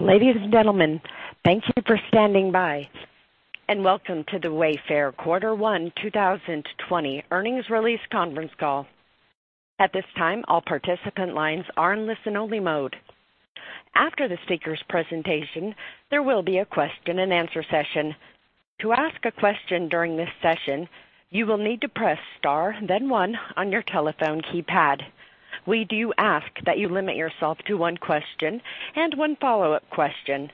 Ladies and gentlemen, thank you for standing by, and welcome to the Wayfair Q1 2020 earnings release conference call. At this time, all participant lines are in listen-only mode. After the speakers' presentation, there will be a question and answer session. To ask a question during this session, you will need to press star then one on your telephone keypad. We do ask that you limit yourself to one question and one follow-up question.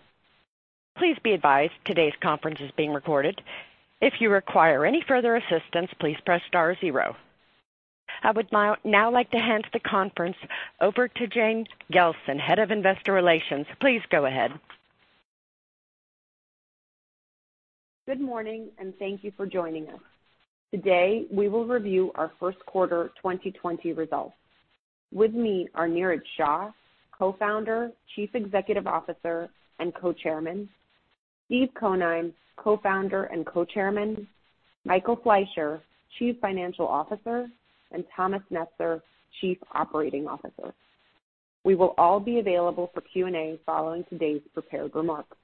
Please be advised today's conference is being recorded. If you require any further assistance, please press star zero. I would now like to hand the conference over to Jane Gelfand, Head of Investor Relations. Please go ahead. Good morning, and thank you for joining us. Today, we will review our first quarter 2020 results. With me are Niraj Shah, Co-founder, Chief Executive Officer and Co-chairman, Steve Conine, Co-founder and Co-chairman, Michael Fleisher, Chief Financial Officer, and Thomas Netzer, Chief Operating Officer. We will all be available for Q&A following today's prepared remarks.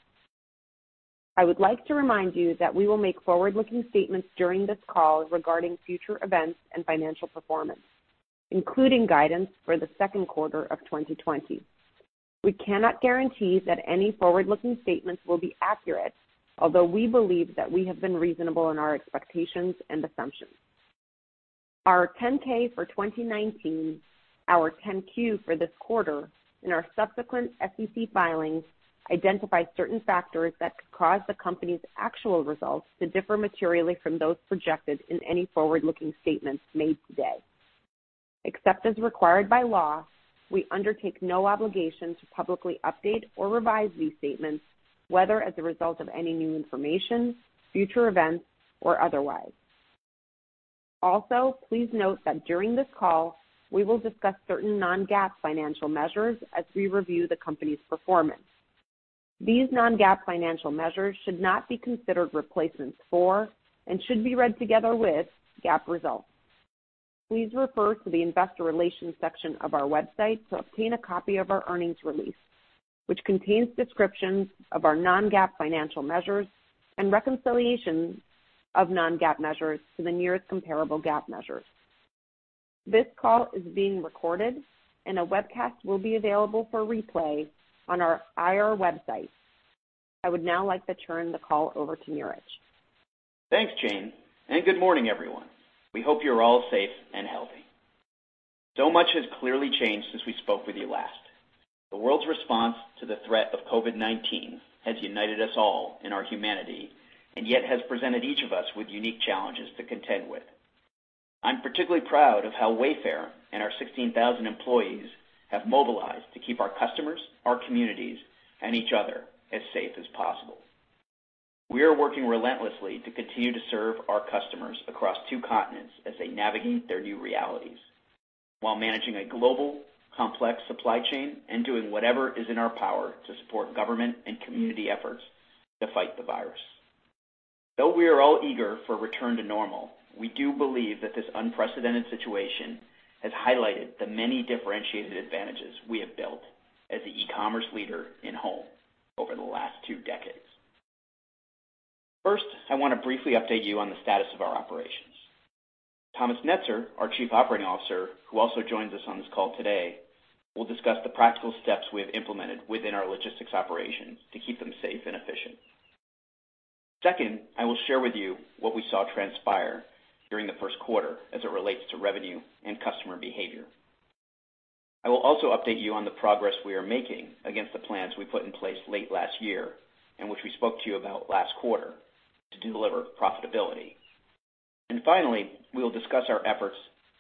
I would like to remind you that we will make forward-looking statements during this call regarding future events and financial performance, including guidance for the second quarter of 2020. We cannot guarantee that any forward-looking statements will be accurate, although we believe that we have been reasonable in our expectations and assumptions. Our 10-K for 2019, our 10-Q for this quarter, and our subsequent SEC filings identify certain factors that could cause the company's actual results to differ materially from those projected in any forward-looking statements made today. Except as required by law, we undertake no obligation to publicly update or revise these statements, whether as a result of any new information, future events, or otherwise. Also, please note that during this call, we will discuss certain non-GAAP financial measures as we review the company's performance. These non-GAAP financial measures should not be considered replacements for and should be read together with GAAP results. Please refer to the investor relations section of our website to obtain a copy of our earnings release, which contains descriptions of our non-GAAP financial measures and reconciliations of non-GAAP measures to the nearest comparable GAAP measures. This call is being recorded, and a webcast will be available for replay on our IR website. I would now like to turn the call over to Niraj. Thanks, Jane. Good morning, everyone. We hope you're all safe and healthy. Much has clearly changed since we spoke with you last. The world's response to the threat of COVID-19 has united us all in our humanity and yet has presented each of us with unique challenges to contend with. I'm particularly proud of how Wayfair and our 16,000 employees have mobilized to keep our customers, our communities, and each other as safe as possible. We are working relentlessly to continue to serve our customers across two continents as they navigate their new realities while managing a global, complex supply chain and doing whatever is in our power to support government and community efforts to fight the virus. Though we are all eager for a return to normal, we do believe that this unprecedented situation has highlighted the many differentiated advantages we have built as the e-commerce leader in home over the last two decades. First, I want to briefly update you on the status of our operations. Thomas Netzer, our Chief Operating Officer, who also joins us on this call today, will discuss the practical steps we have implemented within our logistics operations to keep them safe and efficient. Second, I will share with you what we saw transpire during the first quarter as it relates to revenue and customer behavior. I will also update you on the progress we are making against the plans we put in place late last year, and which we spoke to you about last quarter to deliver profitability. Finally, we will discuss our efforts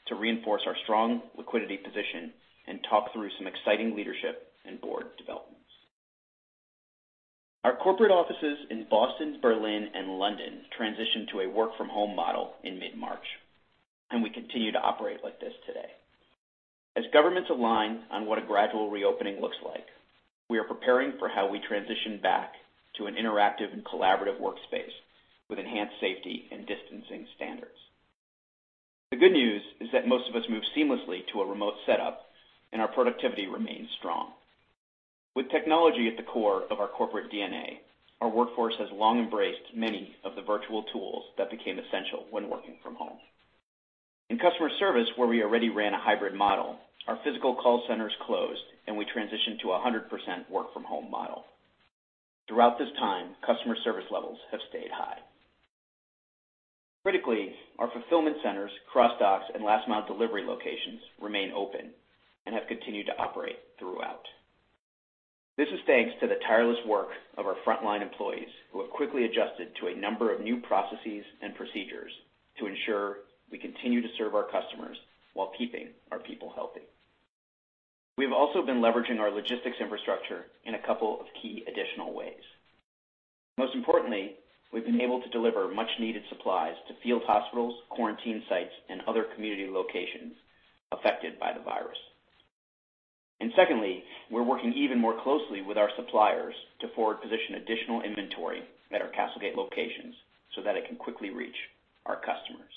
to reinforce our strong liquidity position and talk through some exciting leadership and board developments. Our corporate offices in Boston, Berlin, and London transitioned to a work-from-home model in mid-March, and we continue to operate like this today. As governments align on what a gradual reopening looks like, we are preparing for how we transition back to an interactive and collaborative workspace with enhanced safety and distancing standards. The good news is that most of us moved seamlessly to a remote setup, and our productivity remains strong. With technology at the core of our corporate DNA, our workforce has long embraced many of the virtual tools that became essential when working from home. In customer service, where we already ran a hybrid model, our physical call centers closed, and we transitioned to 100% work-from-home model. Throughout this time, customer service levels have stayed high. Critically, our fulfillment centers, cross-docks, and last-mile delivery locations remain open and have continued to operate throughout. This is thanks to the tireless work of our frontline employees who have quickly adjusted to a number of new processes and procedures to ensure we continue to serve our customers while keeping our people healthy. We've also been leveraging our logistics infrastructure in a couple of key additional ways. Most importantly, we've been able to deliver much-needed supplies to field hospitals, quarantine sites, and other community locations affected by the virus. Secondly, we're working even more closely with our suppliers to forward-position additional inventory at our CastleGate locations so that it can quickly reach our customers.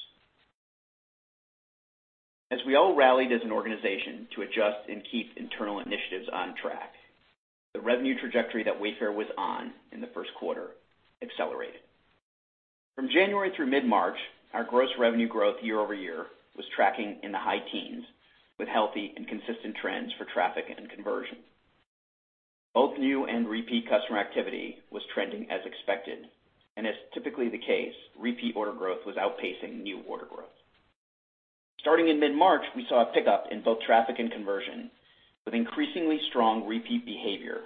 As we all rallied as an organization to adjust and keep internal initiatives on track, the revenue trajectory that Wayfair was on in the first quarter accelerated. From January through mid-March, our gross revenue growth year-over-year was tracking in the high teens with healthy and consistent trends for traffic and conversion. Both new and repeat customer activity was trending as expected and as typically the case, repeat order growth was outpacing new order growth. Starting in mid-March, we saw a pickup in both traffic and conversion with increasingly strong repeat behavior,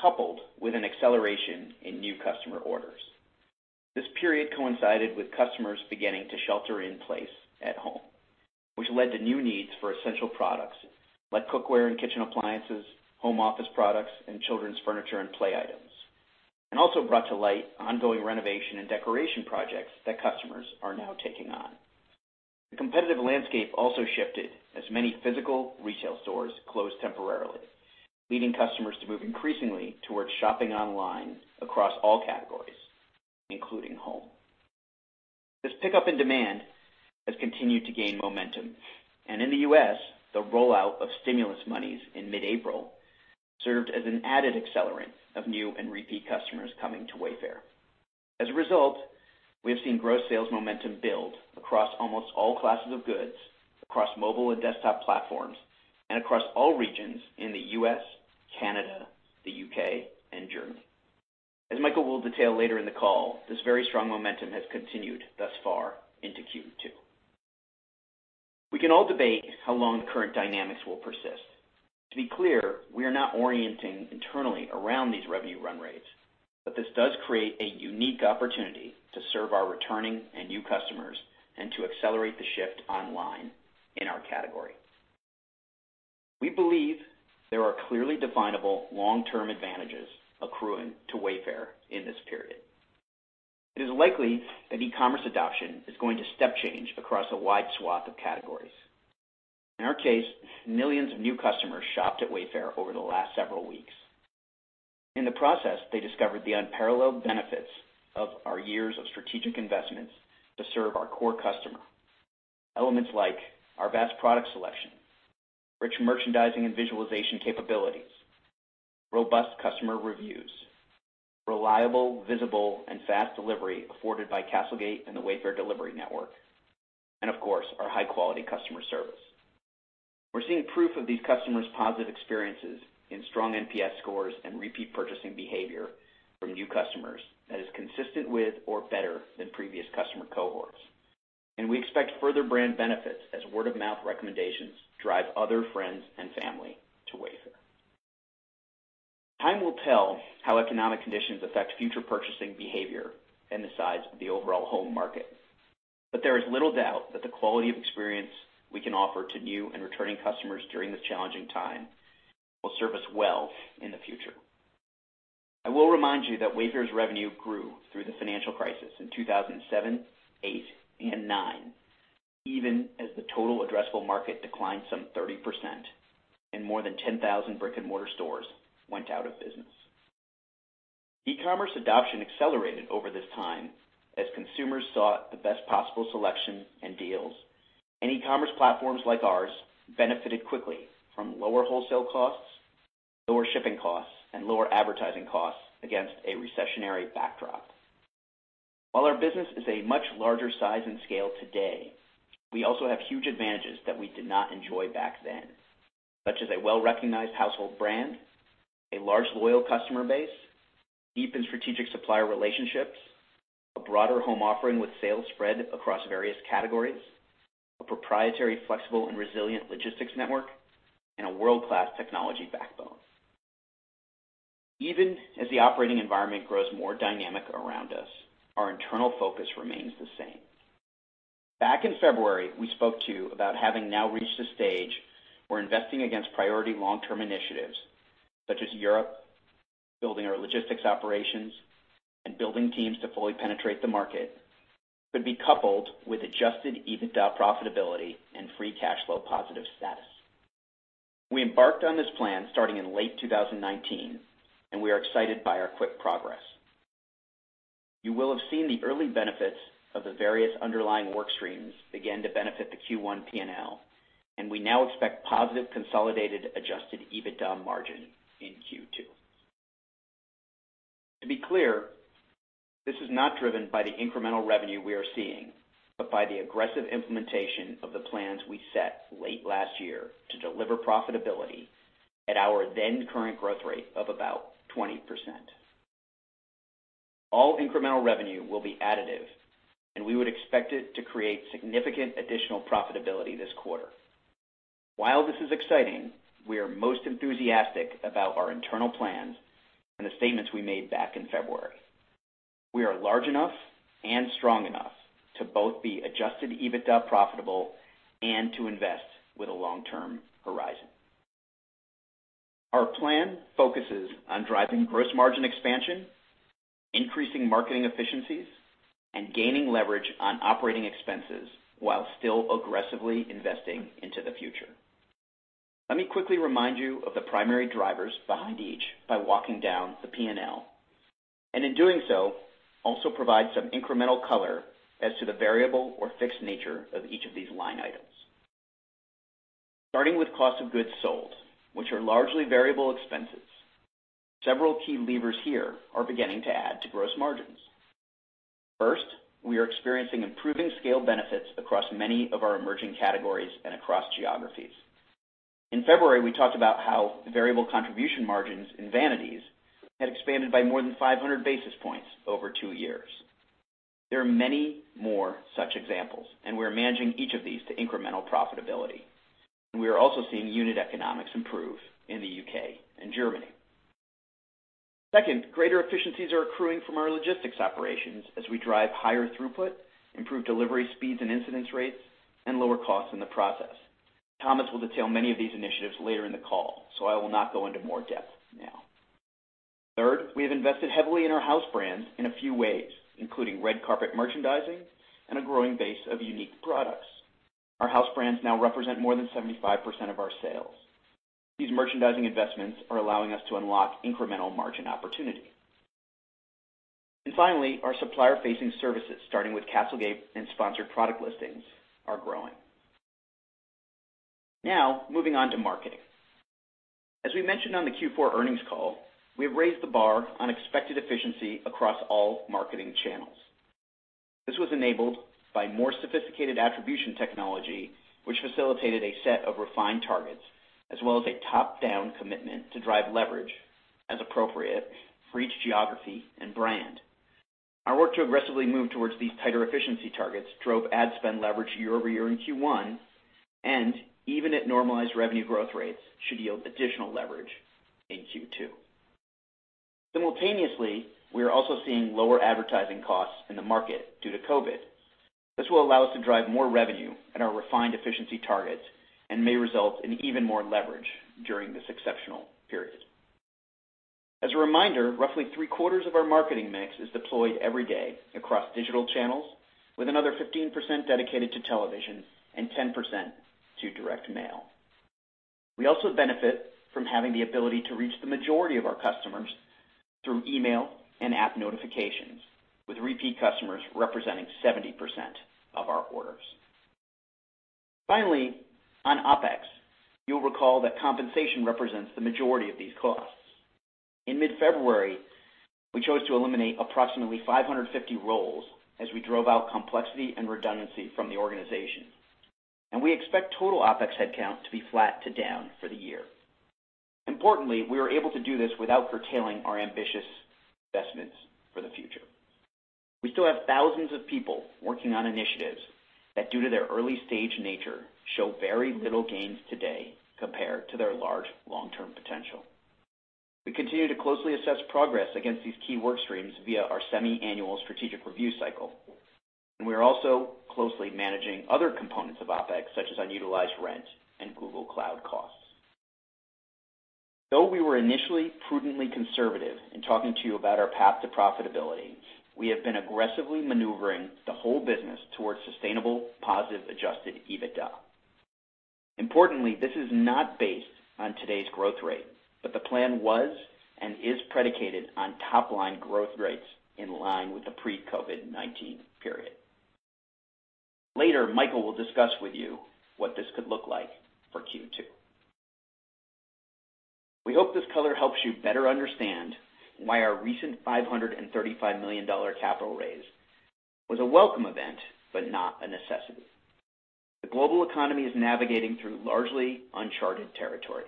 coupled with an acceleration in new customer orders. This period coincided with customers beginning to shelter in place at home, which led to new needs for essential products like cookware and kitchen appliances, home office products, and children's furniture and play items, and also brought to light ongoing renovation and decoration projects that customers are now taking on. The competitive landscape also shifted as many physical retail stores closed temporarily, leading customers to move increasingly towards shopping online across all categories, including home. This pickup in demand has continued to gain momentum, and in the U.S., the rollout of stimulus monies in mid-April served as an added accelerant of new and repeat customers coming to Wayfair. As a result, we have seen gross sales momentum build across almost all classes of goods, across mobile and desktop platforms, and across all regions in the U.S., Canada, the U.K. and Germany. As Michael will detail later in the call, this very strong momentum has continued thus far into Q2. We can all debate how long current dynamics will persist. To be clear, we are not orienting internally around these revenue run rates, but this does create a unique opportunity to serve our returning and new customers and to accelerate the shift online in our category. We believe there are clearly definable long-term advantages accruing to Wayfair in this period. It is likely that e-commerce adoption is going to step change across a wide swath of categories. In our case, millions of new customers shopped at Wayfair over the last several weeks. In the process, they discovered the unparalleled benefits of our years of strategic investments to serve our core customer. Elements like our vast product selection, rich merchandising and visualization capabilities, robust customer reviews, reliable, visible and fast delivery afforded by CastleGate and the Wayfair delivery network, and of course, our high-quality customer service. We're seeing proof of these customers' positive experiences in strong NPS scores and repeat purchasing behavior from new customers that is consistent with or better than previous customer cohorts. We expect further brand benefits as word of mouth recommendations drive other friends and family to Wayfair. Time will tell how economic conditions affect future purchasing behavior and the size of the overall home market. There is little doubt that the quality of experience we can offer to new and returning customers during this challenging time will serve us well in the future. I will remind you that Wayfair's revenue grew through the financial crisis in 2007, 2008 and 2009, even as the total addressable market declined some 30% and more than 10,000 brick-and-mortar stores went out of business. E-commerce adoption accelerated over this time as consumers sought the best possible selection and deals. E-commerce platforms like ours benefited quickly from lower wholesale costs, lower shipping costs and lower advertising costs against a recessionary backdrop. While our business is a much larger size and scale today, we also have huge advantages that we did not enjoy back then, such as a well-recognized household brand, a large loyal customer base, deep and strategic supplier relationships, a broader home offering with sales spread across various categories, a proprietary, flexible and resilient logistics network, and a world-class technology backbone. Even as the operating environment grows more dynamic around us, our internal focus remains the same. Back in February, we spoke to you about having now reached a stage where investing against priority long-term initiatives such as Europe, building our logistics operations, and building teams to fully penetrate the market, could be coupled with adjusted EBITDA profitability and free cash flow positive status. We embarked on this plan starting in late 2019, and we are excited by our quick progress. You will have seen the early benefits of the various underlying work streams begin to benefit the Q1 P&L. We now expect positive consolidated adjusted EBITDA margin in Q2. To be clear, this is not driven by the incremental revenue we are seeing, but by the aggressive implementation of the plans we set late last year to deliver profitability at our then current growth rate of about 20%. All incremental revenue will be additive. We would expect it to create significant additional profitability this quarter. While this is exciting, we are most enthusiastic about our internal plans and the statements we made back in February. We are large enough and strong enough to both be adjusted EBITDA profitable and to invest with a long-term horizon. Our plan focuses on driving gross margin expansion, increasing marketing efficiencies, and gaining leverage on operating expenses while still aggressively investing into the future. Let me quickly remind you of the primary drivers behind each by walking down the P&L, and in doing so, also provide some incremental color as to the variable or fixed nature of each of these line items. Starting with cost of goods sold, which are largely variable expenses, several key levers here are beginning to add to gross margins. First, we are experiencing improving scale benefits across many of our emerging categories and across geographies. In February, we talked about how variable contribution margins in vanities had expanded by more than 500 basis points over two years. There are many more such examples, and we're managing each of these to incremental profitability. We are also seeing unit economics improve in the U.K. and Germany. Second, greater efficiencies are accruing from our logistics operations as we drive higher throughput, improve delivery speeds and incidence rates, and lower costs in the process. Thomas will detail many of these initiatives later in the call. I will not go into more depth now. Third, we have invested heavily in our house brands in a few ways, including red carpet merchandising and a growing base of unique products. Our house brands now represent more than 75% of our sales. These merchandising investments are allowing us to unlock incremental margin opportunity. Finally, our supplier-facing services, starting with CastleGate and Sponsored Product Listings, are growing. Moving on to marketing. As we mentioned on the Q4 earnings call, we have raised the bar on expected efficiency across all marketing channels. This was enabled by more sophisticated attribution technology, which facilitated a set of refined targets as well as a top-down commitment to drive leverage as appropriate for each geography and brand. Our work to aggressively move towards these tighter efficiency targets drove ad spend leverage year-over-year in Q1, and even at normalized revenue growth rates, should yield additional leverage in Q2. Simultaneously, we are also seeing lower advertising costs in the market due to COVID-19. This will allow us to drive more revenue at our refined efficiency targets and may result in even more leverage during this exceptional period. As a reminder, roughly three-quarters of our marketing mix is deployed every day across digital channels, with another 15% dedicated to television and 10% to direct mail. We also benefit from having the ability to reach the majority of our customers through email and app notifications, with repeat customers representing 70% of our orders. Finally, on OPEX, you'll recall that compensation represents the majority of these costs. In mid-February, we chose to eliminate approximately 550 roles as we drove out complexity and redundancy from the organization. We expect total OPEX headcount to be flat to down for the year. Importantly, we are able to do this without curtailing our ambitious investments for the future. We still have 1,000s of people working on initiatives that, due to their early-stage nature, show very little gains today compared to their large long-term potential. We continue to closely assess progress against these key work streams via our semi-annual strategic review cycle, and we are also closely managing other components of OPEX, such as unutilized rent and Google Cloud costs. Though we were initially prudently conservative in talking to you about our path to profitability, we have been aggressively maneuvering the whole business towards sustainable positive adjusted EBITDA. Importantly, this is not based on today's growth rate, but the plan was and is predicated on top-line growth rates in line with the pre-COVID-19 period. Later, Michael will discuss with you what this could look like for Q2. We hope this color helps you better understand why our recent $535 million capital raise was a welcome event, but not a necessity. The global economy is navigating through largely uncharted territory.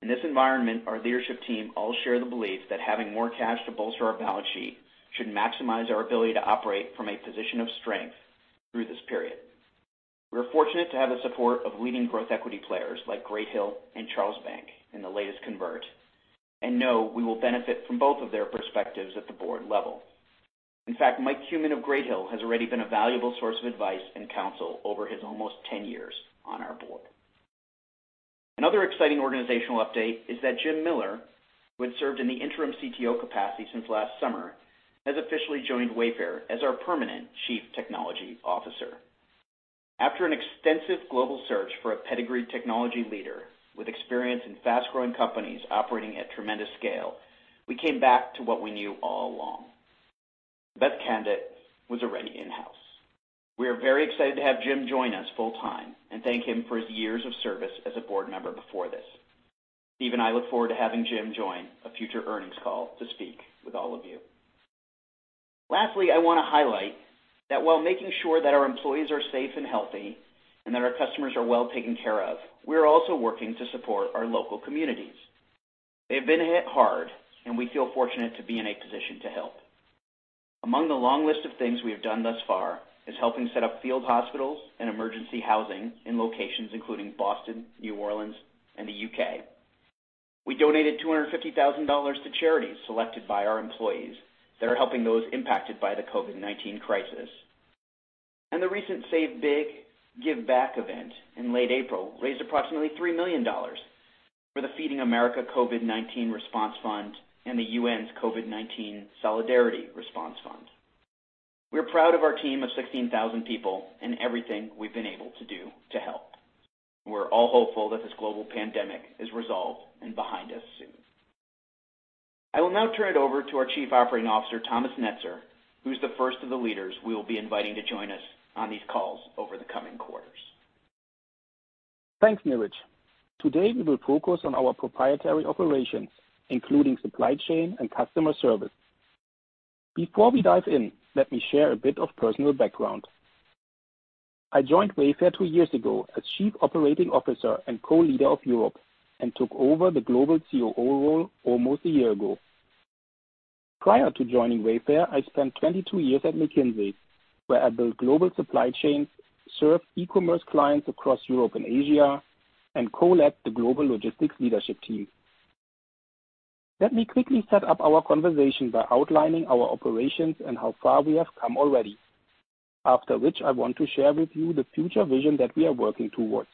In this environment, our leadership team all share the belief that having more cash to bolster our balance sheet should maximize our ability to operate from a position of strength through this period. We are fortunate to have the support of leading growth equity players like Great Hill and Charlesbank in the latest convert. Know we will benefit from both of their perspectives at the board level. In fact, Mike Kumin of Great Hill has already been a valuable source of advice and counsel over his almost 10 years on our board. Another exciting organizational update is that Jim Miller, who had served in the interim CTO capacity since last summer, has officially joined Wayfair as our permanent Chief Technology Officer. After an extensive global search for a pedigreed technology leader with experience in fast-growing companies operating at tremendous scale, we came back to what we knew all along. The best candidate was already in-house. We are very excited to have Jim join us full time. Thank him for his years of service as a board member before this. Steve and I look forward to having Jim join a future earnings call to speak with all of you. Lastly, I want to highlight that while making sure that our employees are safe and healthy and that our customers are well taken care of, we are also working to support our local communities. They've been hit hard, and we feel fortunate to be in a position to help. Among the long list of things we have done thus far is helping set up field hospitals and emergency housing in locations including Boston, New Orleans, and the U.K. We donated $250,000 to charities selected by our employees that are helping those impacted by the COVID-19 crisis. The recent Save Big, Give Back event in late April raised approximately $3 million for the Feeding America COVID-19 Response Fund and the UN's COVID-19 Solidarity Response Fund. We're proud of our team of 16,000 people and everything we've been able to do to help. We're all hopeful that this global pandemic is resolved and behind us soon. I will now turn it over to our Chief Operating Officer, Thomas Netzer, who's the first of the leaders we will be inviting to join us on these calls over the coming quarters. Thanks, Niraj. Today, we will focus on our proprietary operations, including supply chain and customer service. Before we dive in, let me share a bit of personal background. I joined Wayfair two years ago as Chief Operating Officer and co-leader of Europe and took over the global COO role almost a year ago. Prior to joining Wayfair, I spent 22 years at McKinsey, where I built global supply chains, served e-commerce clients across Europe and Asia, and co-led the global logistics leadership team. Let me quickly set up our conversation by outlining our operations and how far we have come already. After which, I want to share with you the future vision that we are working towards.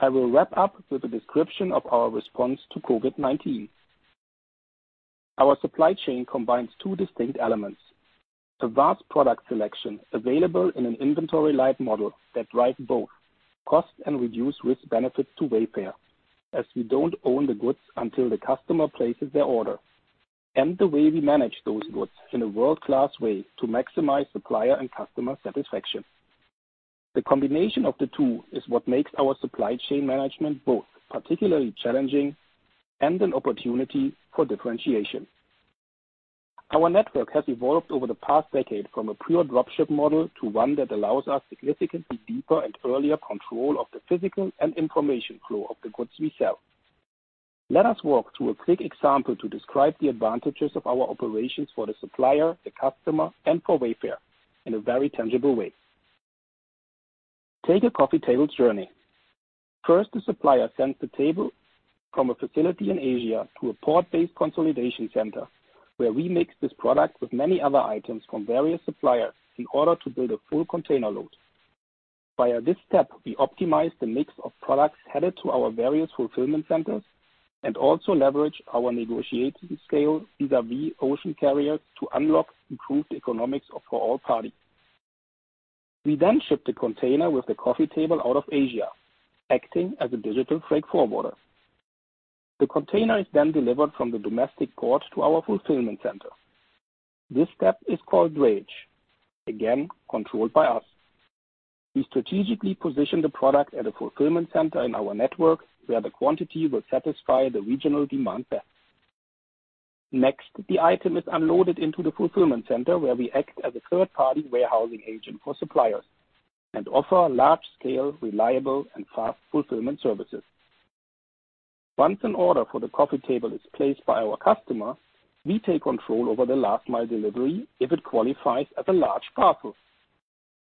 I will wrap up with a description of our response to COVID-19. Our supply chain combines two distinct elements. A vast product selection available in an inventory-light model that drives both cost and reduced risk benefits to Wayfair, as we don't own the goods until the customer places their order, and the way we manage those goods in a world-class way to maximize supplier and customer satisfaction. The combination of the two is what makes our supply chain management both particularly challenging and an opportunity for differentiation. Our network has evolved over the past decade from a pure drop ship model to one that allows us significantly deeper and earlier control of the physical and information flow of the goods we sell. Let us walk through a quick example to describe the advantages of our operations for the supplier, the customer, and for Wayfair in a very tangible way. Take a coffee table's journey. First, the supplier sends the table from a facility in Asia to a port-based consolidation center, where we mix this product with many other items from various suppliers in order to build a full container load. Via this step, we optimize the mix of products headed to our various fulfillment centers and also leverage our negotiating scale vis-a-vis ocean carriers to unlock improved economics for all parties. We then ship the container with the coffee table out of Asia, acting as a digital freight forwarder. The container is then delivered from the domestic port to our fulfillment center. This step is called drayage. Again, controlled by us. We strategically position the product at a fulfillment center in our network where the quantity will satisfy the regional demand best. Next, the item is unloaded into the fulfillment center, where we act as a third-party warehousing agent for suppliers and offer large-scale, reliable, and fast fulfillment services. Once an order for the coffee table is placed by our customer, we take control over the last-mile delivery if it qualifies as a large parcel.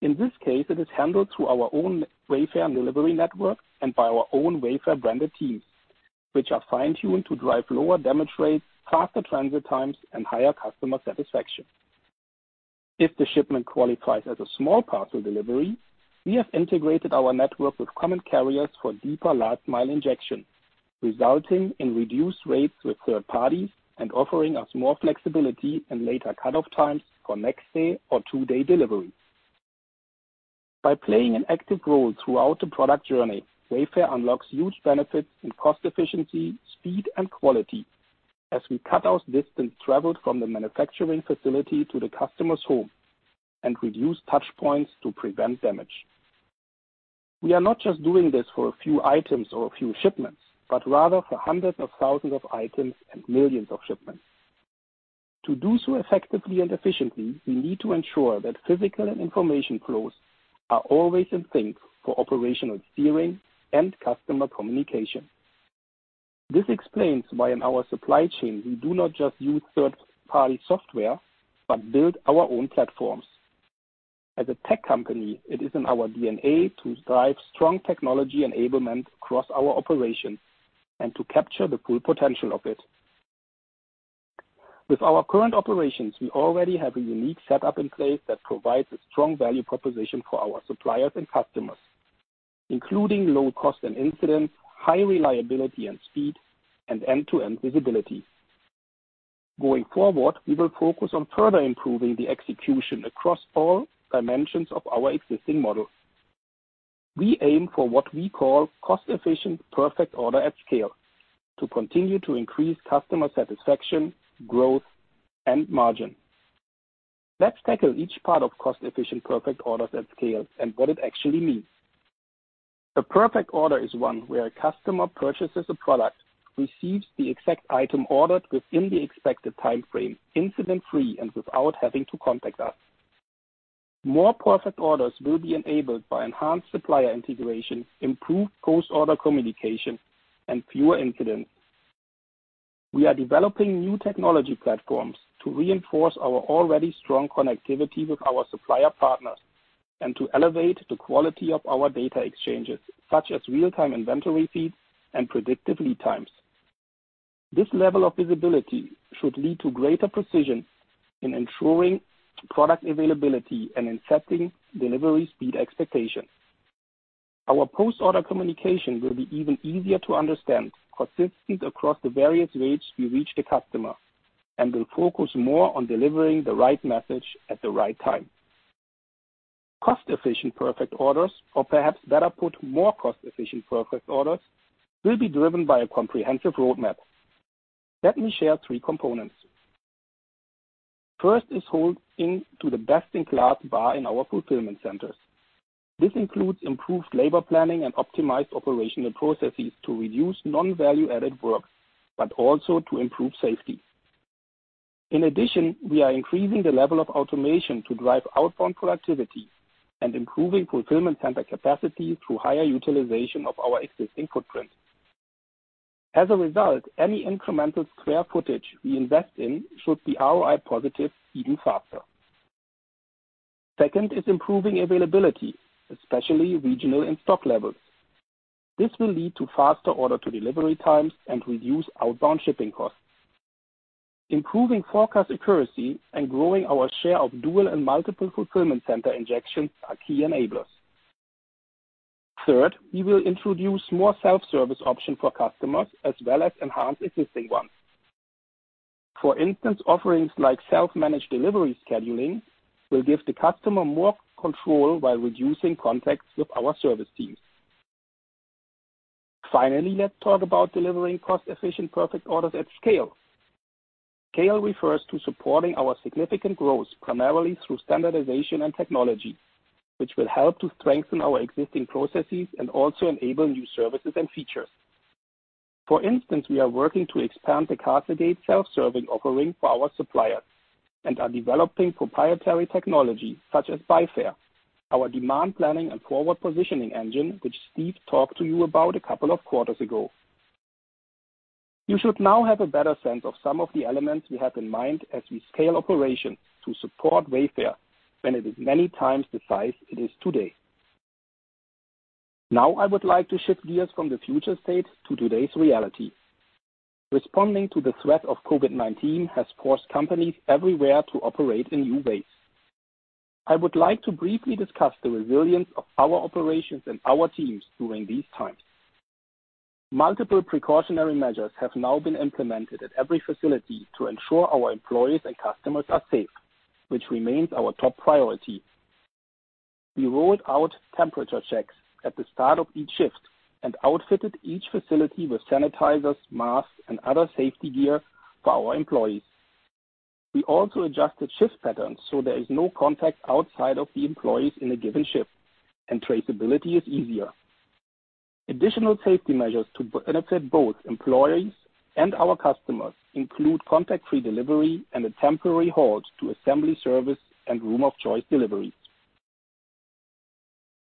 In this case, it is handled through our own Wayfair delivery network and by our own Wayfair-branded teams, which are fine-tuned to drive lower damage rates, faster transit times, and higher customer satisfaction. If the shipment qualifies as a small parcel delivery, we have integrated our network with common carriers for deeper last-mile injection, resulting in reduced rates with third parties and offering us more flexibility and later cutoff times for next-day or two-day delivery. By playing an active role throughout the product journey, Wayfair unlocks huge benefits in cost efficiency, speed, and quality as we cut out distance traveled from the manufacturing facility to the customer's home and reduce touch points to prevent damage. We are not just doing this for a few items or a few shipments, but rather for 100s of 1,000s of items and millions of shipments. To do so effectively and efficiently, we need to ensure that physical and information flows are always in sync for operational steering and customer communication. This explains why in our supply chain, we do not just use third-party software but build our own platforms. As a tech company, it is in our DNA to drive strong technology enablement across our operations and to capture the full potential of it. With our current operations, we already have a unique setup in place that provides a strong value proposition for our suppliers and customers, including low cost and incidents, high reliability and speed, and end-to-end visibility. Going forward, we will focus on further improving the execution across all dimensions of our existing model. We aim for what we call Cost-Efficient Perfect Order at Scale to continue to increase customer satisfaction, growth, and margin. Let's tackle each part of Cost-Efficient Perfect Orders at Scale and what it actually means. A Perfect Order is one where a customer purchases a product, receives the exact item ordered within the expected timeframe, incident-free, and without having to contact us. More Perfect Orders will be enabled by enhanced supplier integration, improved post-order communication, and fewer incidents. We are developing new technology platforms to reinforce our already strong connectivity with our supplier partners and to elevate the quality of our data exchanges, such as real-time inventory feeds and predictive lead times. This level of visibility should lead to greater precision in ensuring product availability and in setting delivery speed expectations. Our post-order communication will be even easier to understand, consistent across the various ways we reach the customer, and will focus more on delivering the right message at the right time. Cost-efficient perfect orders, or perhaps better put, more cost-efficient perfect orders, will be driven by a comprehensive roadmap. Let me share three components. First is holding to the best-in-class bar in our fulfillment centers. This includes improved labor planning and optimized operational processes to reduce non-value added work, but also to improve safety. In addition, we are increasing the level of automation to drive outbound productivity and improving fulfillment center capacity through higher utilization of our existing footprint. As a result, any incremental square footage we invest in should be ROI positive even faster. Second is improving availability, especially regional end stock levels. This will lead to faster order-to-delivery times and reduce outbound shipping costs. Improving forecast accuracy and growing our share of dual and multiple fulfillment center injections are key enablers. Third, we will introduce more self-service options for customers, as well as enhance existing ones. For instance, offerings like self-managed delivery scheduling will give the customer more control while reducing contacts with our service teams. Finally, let's talk about delivering cost-efficient perfect orders at scale. Scale refers to supporting our significant growth, primarily through standardization and technology, which will help to strengthen our existing processes and also enable new services and features. For instance, we are working to expand the CastleGate self-serving offering for our suppliers and are developing proprietary technology such as Buyfair, our demand planning and forward positioning engine, which Steve talked to you about a couple of quarters ago. You should now have a better sense of some of the elements we have in mind as we scale operations to support Wayfair when it is many times the size it is today. I would like to shift gears from the future state to today's reality. Responding to the threat of COVID-19 has forced companies everywhere to operate in new ways. I would like to briefly discuss the resilience of our operations and our teams during these times. Multiple precautionary measures have now been implemented at every facility to ensure our employees and customers are safe, which remains our top priority. We rolled out temperature checks at the start of each shift and outfitted each facility with sanitizers, masks, and other safety gear for our employees. We also adjusted shift patterns so there is no contact outside of the employees in a given shift, and traceability is easier. Additional safety measures to benefit both employees and our customers include contact-free delivery and a temporary halt to assembly service and room of choice deliveries.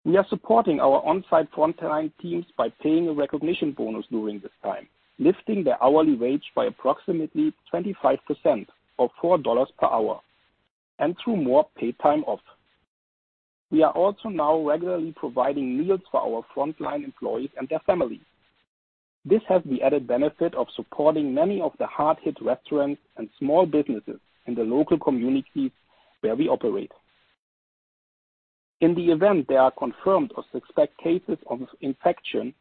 We are supporting our on-site frontline teams by paying a recognition bonus during this time, lifting their hourly wage by approximately 25%, or $4 per hour, and through more paid time off. We are also now regularly providing meals for our frontline employees and their families. This has the added benefit of supporting many of the hard-hit restaurants and small businesses in the local communities where we operate. In the event there are confirmed or suspect cases of infection,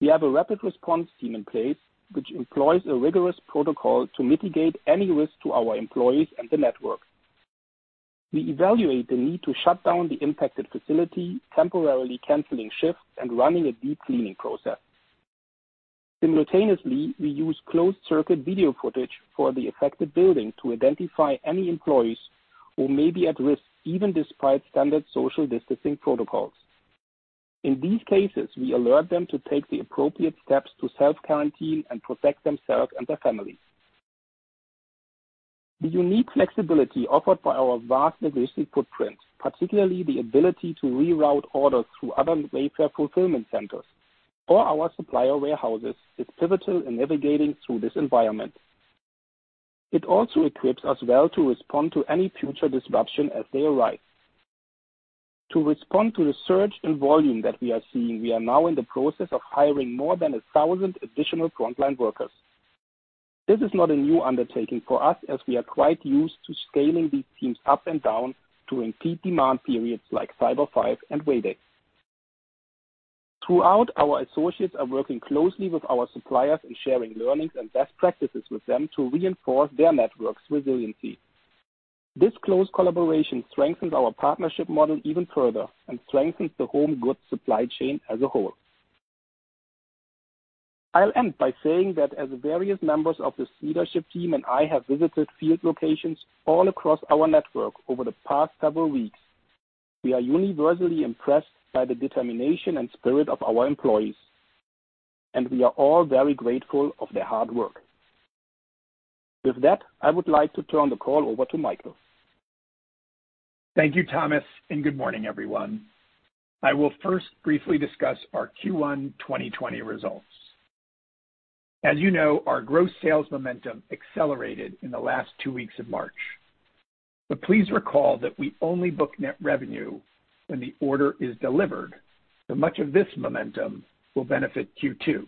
we have a rapid response team in place, which employs a rigorous protocol to mitigate any risk to our employees and the network. We evaluate the need to shut down the impacted facility, temporarily canceling shifts and running a deep cleaning process. Simultaneously, we use closed-circuit video footage for the affected building to identify any employees who may be at risk, even despite standard social distancing protocols. In these cases, we alert them to take the appropriate steps to self-quarantine and protect themselves and their families. The unique flexibility offered by our vast existing footprint, particularly the ability to reroute orders through other Wayfair fulfillment centers or our supplier warehouses, is pivotal in navigating through this environment. It also equips us well to respond to any future disruption as they arise. To respond to the surge in volume that we are seeing, we are now in the process of hiring more than 1,000 additional frontline workers. This is not a new undertaking for us, as we are quite used to scaling these teams up and down to impede demand periods like Cyber Five and Way Day. Throughout, our associates are working closely with our suppliers and sharing learnings and best practices with them to reinforce their network's resiliency. This close collaboration strengthens our partnership model even further and strengthens the home goods supply chain as a whole. I'll end by saying that as various members of this leadership team and I have visited field locations all across our network over the past several weeks, we are universally impressed by the determination and spirit of our employees, and we are all very grateful of their hard work. With that, I would like to turn the call over to Michael. Thank you, Thomas, and good morning, everyone. I will first briefly discuss our Q1 2020 results. As you know, our gross sales momentum accelerated in the last two weeks of March. Please recall that we only book net revenue when the order is delivered, so much of this momentum will benefit Q2.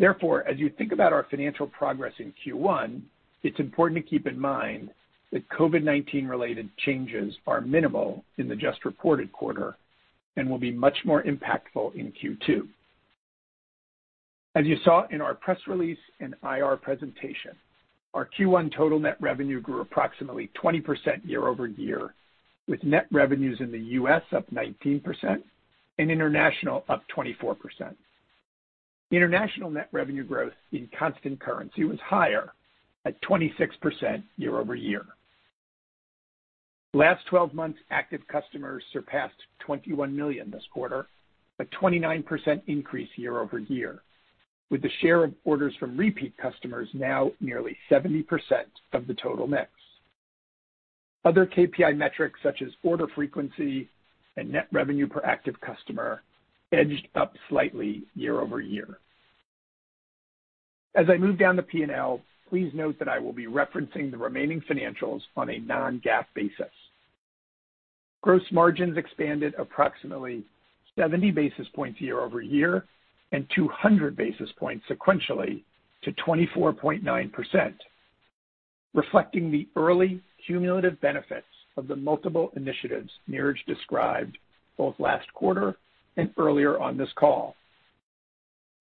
As you think about our financial progress in Q1, it's important to keep in mind that COVID-19 related changes are minimal in the just reported quarter and will be much more impactful in Q2. As you saw in our press release and IR presentation, our Q1 total net revenue grew approximately 20% year-over-year, with net revenues in the U.S. up 19% and international up 24%. International net revenue growth in constant currency was higher at 26% year-over-year. Last 12 months, active customers surpassed 21 million this quarter, a 29% increase year-over-year, with the share of orders from repeat customers now nearly 70% of the total mix. Other KPI metrics such as order frequency and net revenue per active customer edged up slightly year-over-year. As I move down the P&L, please note that I will be referencing the remaining financials on a non-GAAP basis. Gross margins expanded approximately 70 basis points year-over-year and 200 basis points sequentially to 24.9%, reflecting the early cumulative benefits of the multiple initiatives Niraj described both last quarter and earlier on this call.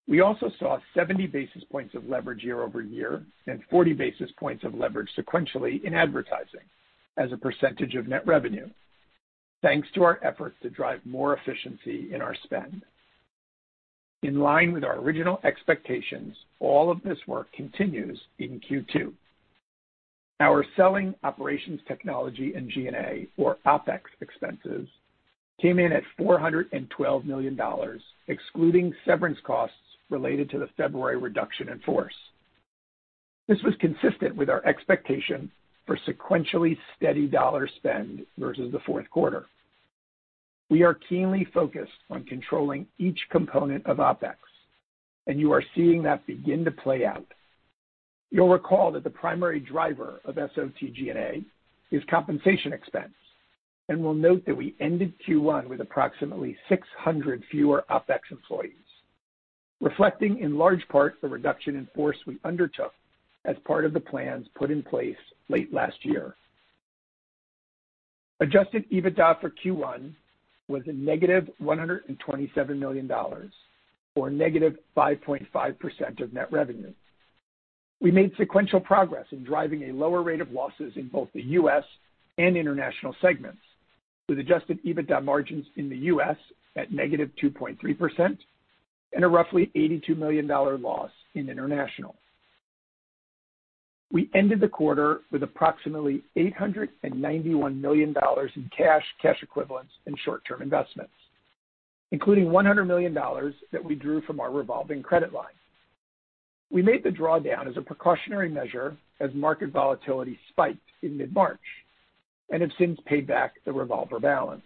We also saw 70 basis points of leverage year-over-year and 40 basis points of leverage sequentially in advertising as a percentage of net revenue, thanks to our efforts to drive more efficiency in our spend. In line with our original expectations, all of this work continues in Q2. Our selling, operations, technology, and G&A or OPEX expenses came in at $412 million, excluding severance costs related to the February reduction in force. This was consistent with our expectation for sequentially steady dollar spend versus the fourth quarter. We are keenly focused on controlling each component of OPEX, and you are seeing that begin to play out. You'll recall that the primary driver of SOT G&A is compensation expense, and will note that we ended Q1 with approximately 600 fewer OPEX employees, reflecting in large part the reduction in force we undertook as part of the plans put in place late last year. Adjusted EBITDA for Q1 was a -$127 million, or -5.5% of net revenue. We made sequential progress in driving a lower rate of losses in both the U.S. and international segments, with adjusted EBITDA margins in the U.S. at -2.3% and a roughly $82 million loss in international. We ended the quarter with approximately $891 million in cash equivalents, and short-term investments, including $100 million that we drew from our revolving credit line. We made the drawdown as a precautionary measure as market volatility spiked in mid-March and have since paid back the revolver balance.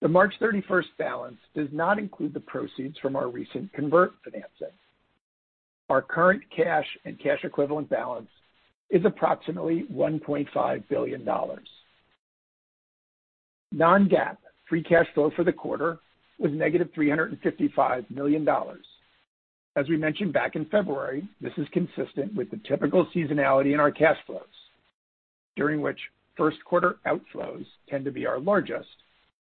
The March 31st balance does not include the proceeds from our recent convert financing. Our current cash and cash equivalent balance is approximately $1.5 billion. Non-GAAP free cash flow for the quarter was negative $355 million. As we mentioned back in February, this is consistent with the typical seasonality in our cash flows, during which first quarter outflows tend to be our largest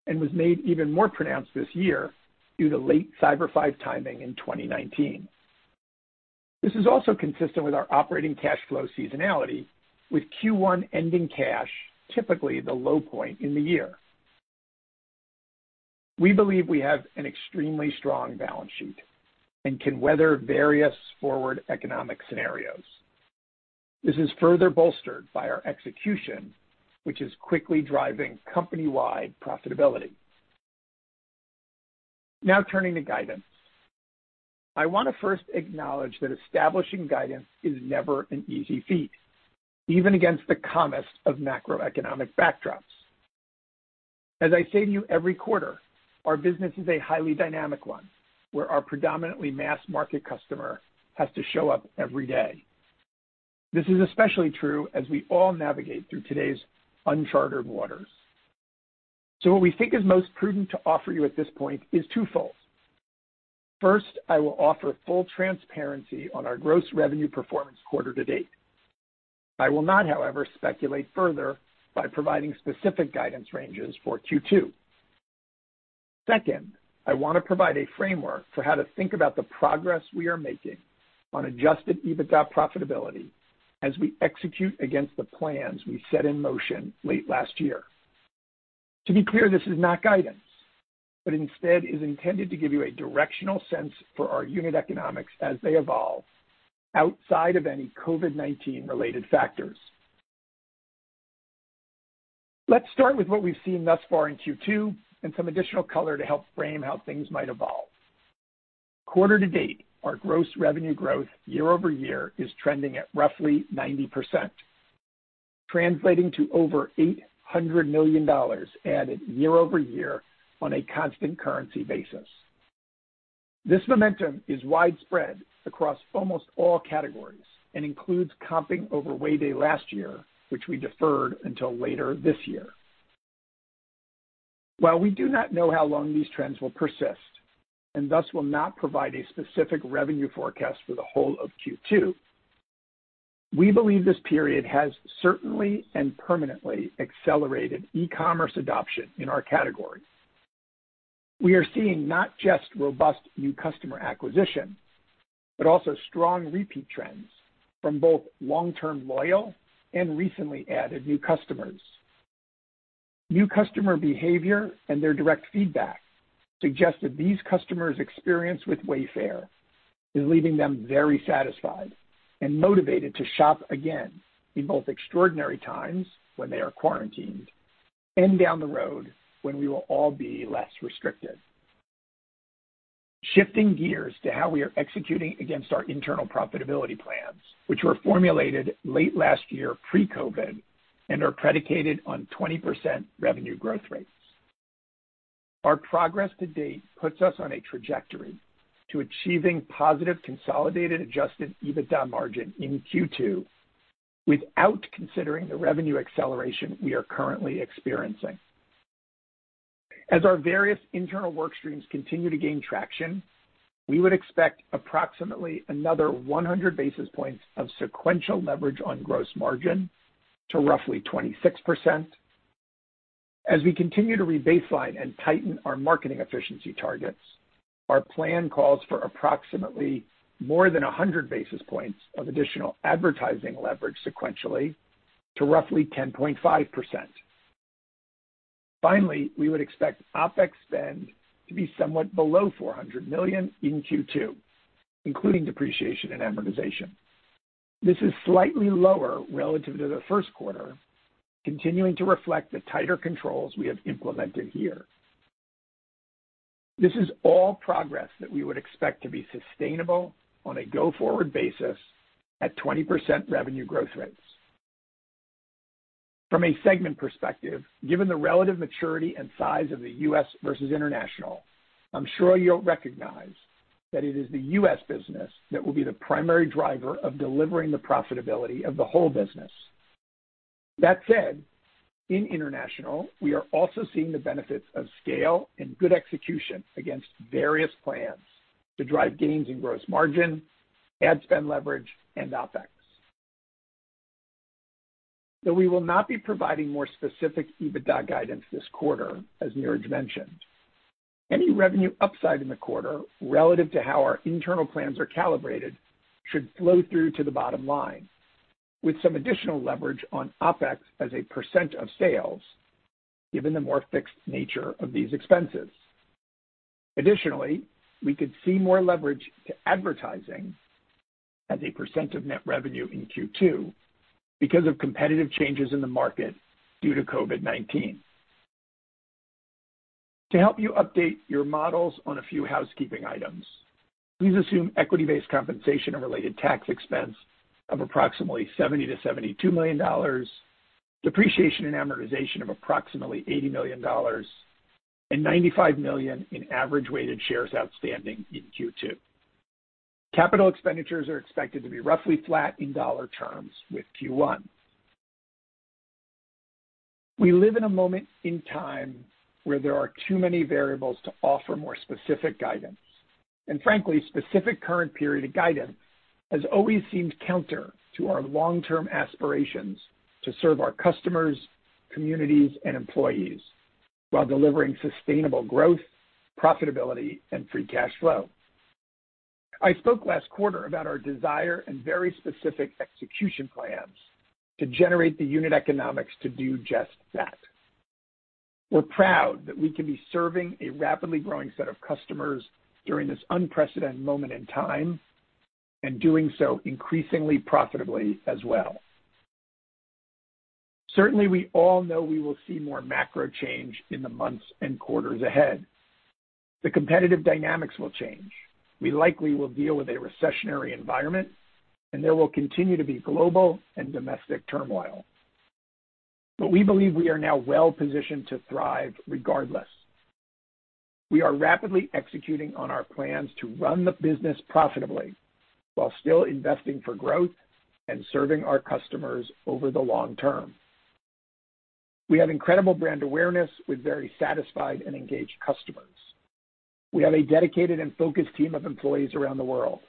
and was made even more pronounced this year due to late Cyber 5 timing in 2019. This is also consistent with our operating cash flow seasonality with Q1 ending cash typically the low point in the year. We believe we have an extremely strong balance sheet and can weather various forward economic scenarios. This is further bolstered by our execution, which is quickly driving company-wide profitability. Now, turning to guidance. I want to first acknowledge that establishing guidance is never an easy feat, even against the calmest of macroeconomic backdrops. As I say to you every quarter, our business is a highly dynamic one where our predominantly mass-market customer has to show up every day. This is especially true as we all navigate through today's unchartered waters. What we think is most prudent to offer you at this point is twofold. First, I will offer full transparency on our gross revenue performance quarter to date. I will not, however, speculate further by providing specific guidance ranges for Q2. Second, I want to provide a framework for how to think about the progress we are making on adjusted EBITDA profitability as we execute against the plans we set in motion late last year. To be clear, this is not guidance, but instead is intended to give you a directional sense for our unit economics as they evolve outside of any COVID-19 related factors. Let's start with what we've seen thus far in Q2 and some additional color to help frame how things might evolve. Quarter to date, our gross revenue growth year-over-year is trending at roughly 90%, translating to over $800 million added year-over-year on a constant currency basis. This momentum is widespread across almost all categories and includes comping over Way Day last year, which we deferred until later this year. We do not know how long these trends will persist, and thus will not provide a specific revenue forecast for the whole of Q2, we believe this period has certainly and permanently accelerated e-commerce adoption in our category. We are seeing not just robust new customer acquisition, but also strong repeat trends from both long-term loyal and recently added new customers. New customer behavior and their direct feedback suggest that these customers' experience with Wayfair is leaving them very satisfied and motivated to shop again in both extraordinary times, when they are quarantined, and down the road when we will all be less restricted. Shifting gears to how we are executing against our internal profitability plans, which were formulated late last year pre-COVID-19, and are predicated on 20% revenue growth rates. Our progress to date puts us on a trajectory to achieving positive consolidated adjusted EBITDA margin in Q2 without considering the revenue acceleration we are currently experiencing. As our various internal work streams continue to gain traction, we would expect approximately another 100 basis points of sequential leverage on gross margin to roughly 26%. As we continue to re-baseline and tighten our marketing efficiency targets, our plan calls for approximately more than 100 basis points of additional advertising leverage sequentially to roughly 10.5%. Finally, we would expect OpEx spend to be somewhat below $400 million in Q2, including depreciation and amortization. This is slightly lower relative to the first quarter, continuing to reflect the tighter controls we have implemented here. This is all progress that we would expect to be sustainable on a go-forward basis at 20% revenue growth rates. From a segment perspective, given the relative maturity and size of the U.S. versus international, I'm sure you'll recognize that it is the US business that will be the primary driver of delivering the profitability of the whole business. That said, in international, we are also seeing the benefits of scale and good execution against various plans to drive gains in gross margin, ad spend leverage, and OpEx. We will not be providing more specific EBITDA guidance this quarter, as Niraj mentioned, any revenue upside in the quarter relative to how our internal plans are calibrated should flow through to the bottom line with some additional leverage on OpEx as a percent of sales, given the more fixed nature of these expenses. Additionally, we could see more leverage to advertising as a percent of net revenue in Q2 because of competitive changes in the market due to COVID-19. To help you update your models on a few housekeeping items, please assume equity-based compensation and related tax expense of approximately $70 million-$72 million, depreciation and amortization of approximately $80 million, and 95 million in average weighted shares outstanding in Q2. Capital expenditures are expected to be roughly flat in dollar terms with Q1. We live in a moment in time where there are too many variables to offer more specific guidance. Frankly, specific current period guidance has always seemed counter to our long-term aspirations to serve our customers, communities, and employees while delivering sustainable growth, profitability, and free cash flow. I spoke last quarter about our desire and very specific execution plans to generate the unit economics to do just that. We're proud that we can be serving a rapidly growing set of customers during this unprecedented moment in time, and doing so increasingly profitably as well. Certainly, we all know we will see more macro change in the months and quarters ahead. The competitive dynamics will change. We likely will deal with a recessionary environment, and there will continue to be global and domestic turmoil. We believe we are now well-positioned to thrive regardless. We are rapidly executing on our plans to run the business profitably while still investing for growth and serving our customers over the long term. We have incredible brand awareness with very satisfied and engaged customers. We have a dedicated and focused team of employees around the world.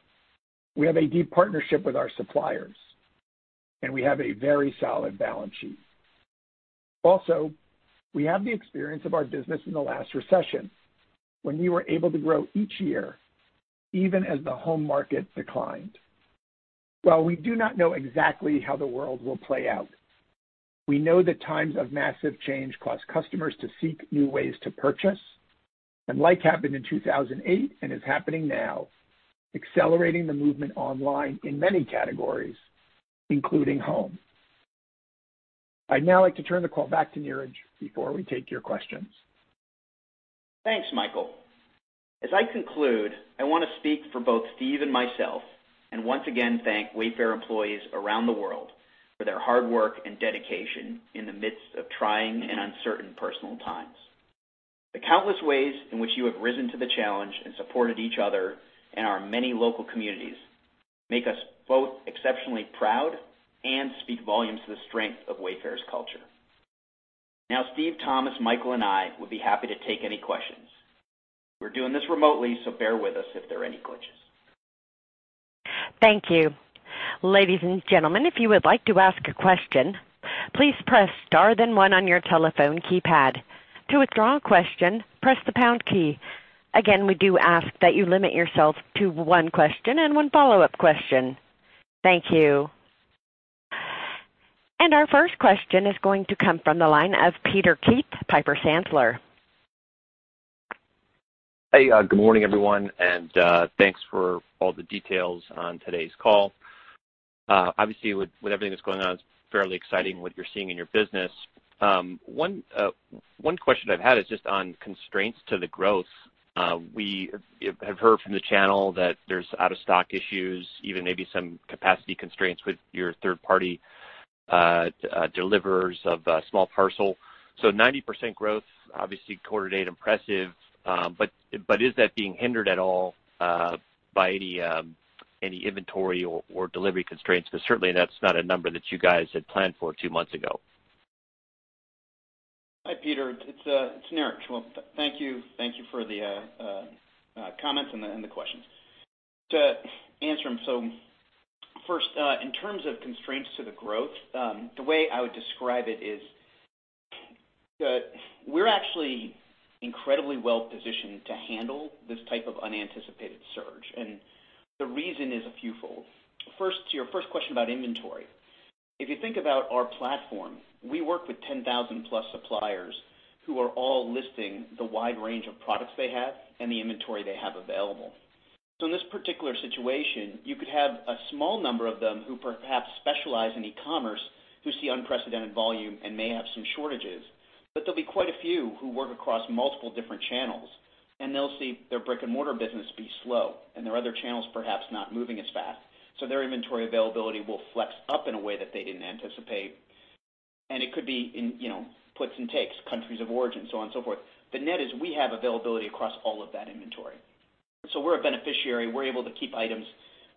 We have a deep partnership with our suppliers, and we have a very solid balance sheet. Also, we have the experience of our business in the last recession, when we were able to grow each year, even as the home market declined. While we do not know exactly how the world will play out, we know that times of massive change cause customers to seek new ways to purchase, and like happened in 2008 and is happening now, accelerating the movement online in many categories, including home. I'd now like to turn the call back to Niraj before we take your questions. Thanks, Michael. As I conclude, I want to speak for both Steve and myself, and once again, thank Wayfair employees around the world for their hard work and dedication in the midst of trying and uncertain personal times. The countless ways in which you have risen to the challenge and supported each other in our many local communities make us both exceptionally proud and speak volumes to the strength of Wayfair's culture. Steve, Thomas, Michael, and I would be happy to take any questions. We're doing this remotely, bear with us if there are any glitches. Thank you. Ladies and gentlemen, if you would like to ask a question, please press star then one on your telephone keypad. To withdraw a question, press the pound key. Again, we do ask that you limit yourself to one question and one follow-up question. Thank you. Our first question is going to come from the line of Peter Keith, Piper Sandler. Hey, good morning, everyone. Thanks for all the details on today's call. Obviously, with everything that's going on, it's fairly exciting what you're seeing in your business. One question I've had is just on constraints to the growth. We have heard from the channel that there's out-of-stock issues, even maybe some capacity constraints with your third-party deliverers of small parcel. 90% growth, obviously quarter date impressive. Is that being hindered at all by any inventory or delivery constraints? Certainly that's not a number that you guys had planned for two months ago. Hi, Peter. It's Niraj. Well, thank you for the comments and the questions. To answer them, first, in terms of constraints to the growth, the way I would describe it is that we're actually incredibly well-positioned to handle this type of unanticipated surge, the reason is a few fold. First, to your first question about inventory. If you think about our platform, we work with 10,000+ suppliers who are all listing the wide range of products they have and the inventory they have available. In this particular situation, you could have a small number of them who perhaps specialize in e-commerce who see unprecedented volume and may have some shortages. There'll be quite a few who work across multiple different channels, they'll see their brick-and-mortar business be slow and their other channels perhaps not moving as fast. Their inventory availability will flex up in a way that they didn't anticipate. It could be in puts and takes, countries of origin, so on and so forth. The net is we have availability across all of that inventory. We're a beneficiary. We're able to keep items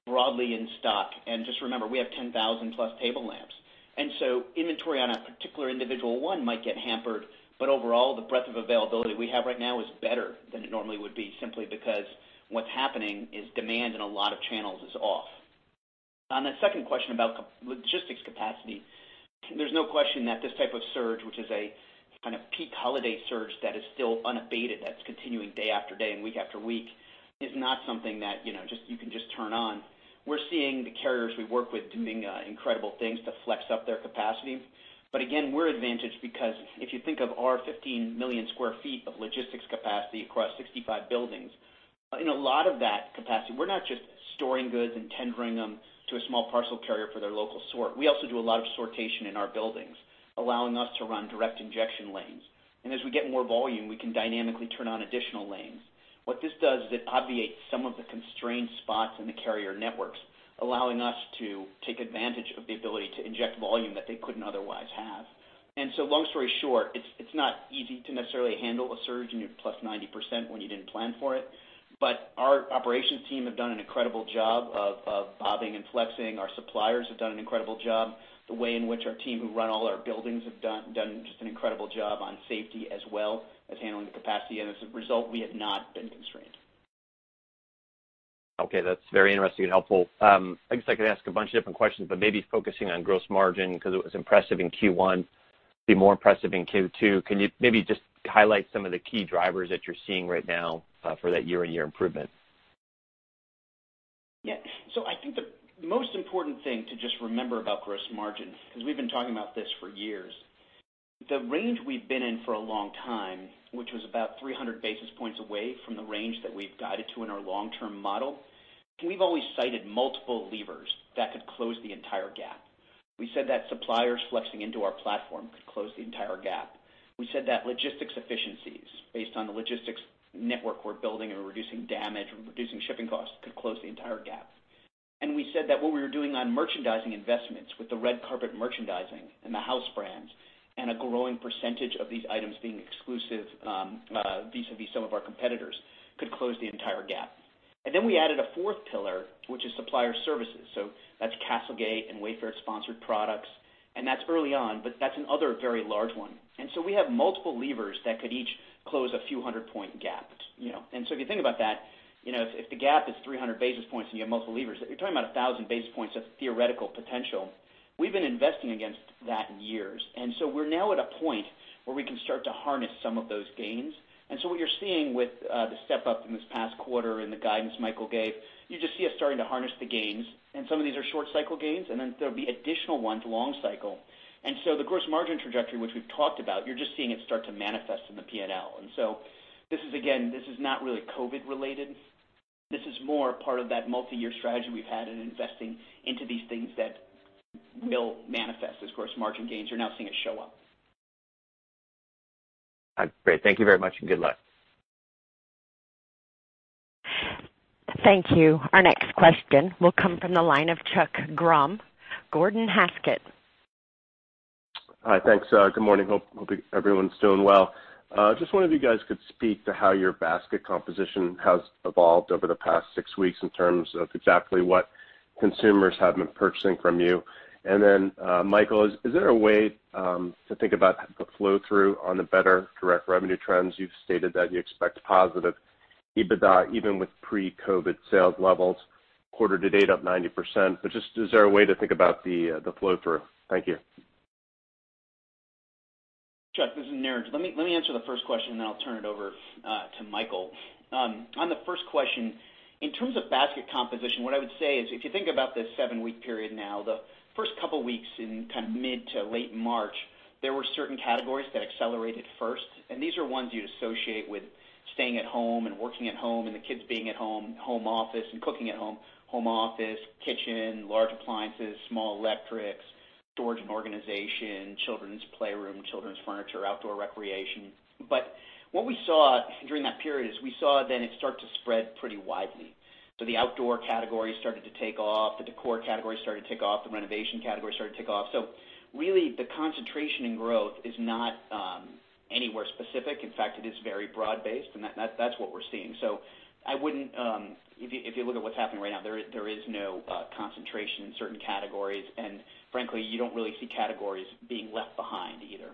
broadly in stock. Just remember, we have 10,000+ table lamps. Inventory on a particular individual one might get hampered. Overall, the breadth of availability we have right now is better than it normally would be, simply because what's happening is demand in a lot of channels is off. On that second question about logistics capacity, there's no question that this type of surge, which is a kind of peak holiday surge that is still unabated, that's continuing day after day and week after week, is not something that you can just turn on. We're seeing the carriers we work with doing incredible things to flex up their capacity. Again, we're advantaged because if you think of our 15 million square feet of logistics capacity across 65 buildings, in a lot of that capacity, we're not just storing goods and tendering them to a small parcel carrier for their local sort. We also do a lot of sortation in our buildings, allowing us to run direct injection lanes. As we get more volume, we can dynamically turn on additional lanes. What this does is it obviates some of the constrained spots in the carrier networks, allowing us to take advantage of the ability to inject volume that they couldn't otherwise have. Long story short, it's not easy to necessarily handle a surge +90% when you didn't plan for it. Our operations team have done an incredible job of bobbing and flexing. Our suppliers have done an incredible job. The way in which our team who run all our buildings have done just an incredible job on safety as well as handling the capacity. As a result, we have not been constrained. Okay. That's very interesting and helpful. I guess I could ask a bunch of different questions, but maybe focusing on gross margin because it was impressive in Q1, be more impressive in Q2. Can you maybe just highlight some of the key drivers that you're seeing right now for that year-on-year improvement? I think the most important thing to just remember about gross margin, because we've been talking about this for years, the range we've been in for a long time, which was about 300 basis points away from the range that we've guided to in our long-term model. We've always cited multiple levers that could close the entire gap. We said that suppliers flexing into our platform could close the entire gap. We said that logistics efficiencies based on the logistics network we're building and reducing damage and reducing shipping costs could close the entire gap. We said that what we were doing on merchandising investments with the red carpet merchandising and the house brands and a growing percentage of these items being exclusive vis-à-vis some of our competitors could close the entire gap. Then we added a fourth pillar, which is supplier services. That's CastleGate and Wayfair Sponsored Products, and that's early on, but that's another very large one. We have multiple levers that could each close a few 100 point gaps. If you think about that, if the gap is 300 basis points and you have multiple levers, you're talking about 1,000 basis points of theoretical potential. We've been investing against that years. We're now at a point where we can start to harness some of those gains. What you're seeing with the step-up in this past quarter and the guidance Michael gave, you just see us starting to harness the gains, and some of these are short cycle gains, and then there'll be additional ones, long cycle. The gross margin trajectory, which we've talked about, you're just seeing it start to manifest in the P&L. This is, again, this is not really COVID-19 related. This is more part of that multi-year strategy we've had in investing into these things that will manifest as gross margin gains. You're now seeing it show up. Great. Thank you very much, and good luck. Thank you. Our next question will come from the line of Chuck Grom, Gordon Haskett. Hi. Thanks. Good morning. Hope everyone's doing well. Just wonder if you guys could speak to how your basket composition has evolved over the past six weeks in terms of exactly what consumers have been purchasing from you. Michael, is there a way to think about the flow-through on the better direct revenue trends? You've stated that you expect positive EBITDA even with pre-COVID sales levels quarter to date up 90%, just is there a way to think about the flow-through? Thank you. Chuck, this is Niraj. Let me answer the first question, and then I'll turn it over to Michael. On the first question, in terms of basket composition, what I would say is if you think about the seven-week period now, the first couple of weeks in mid to late March, there were certain categories that accelerated first, and these are ones you'd associate with staying at home and working at home and the kids being at home office and cooking at home. Home office, kitchen, large appliances, small electrics, storage and organization, children's playroom, children's furniture, outdoor recreation. What we saw during that period is we saw then it start to spread pretty widely. The outdoor category started to take off, the decor category started to take off, the renovation category started to take off. Really the concentration in growth is not anywhere specific. In fact, it is very broad-based, and that's what we're seeing. If you look at what's happening right now, there is no concentration in certain categories, and frankly, you don't really see categories being left behind either.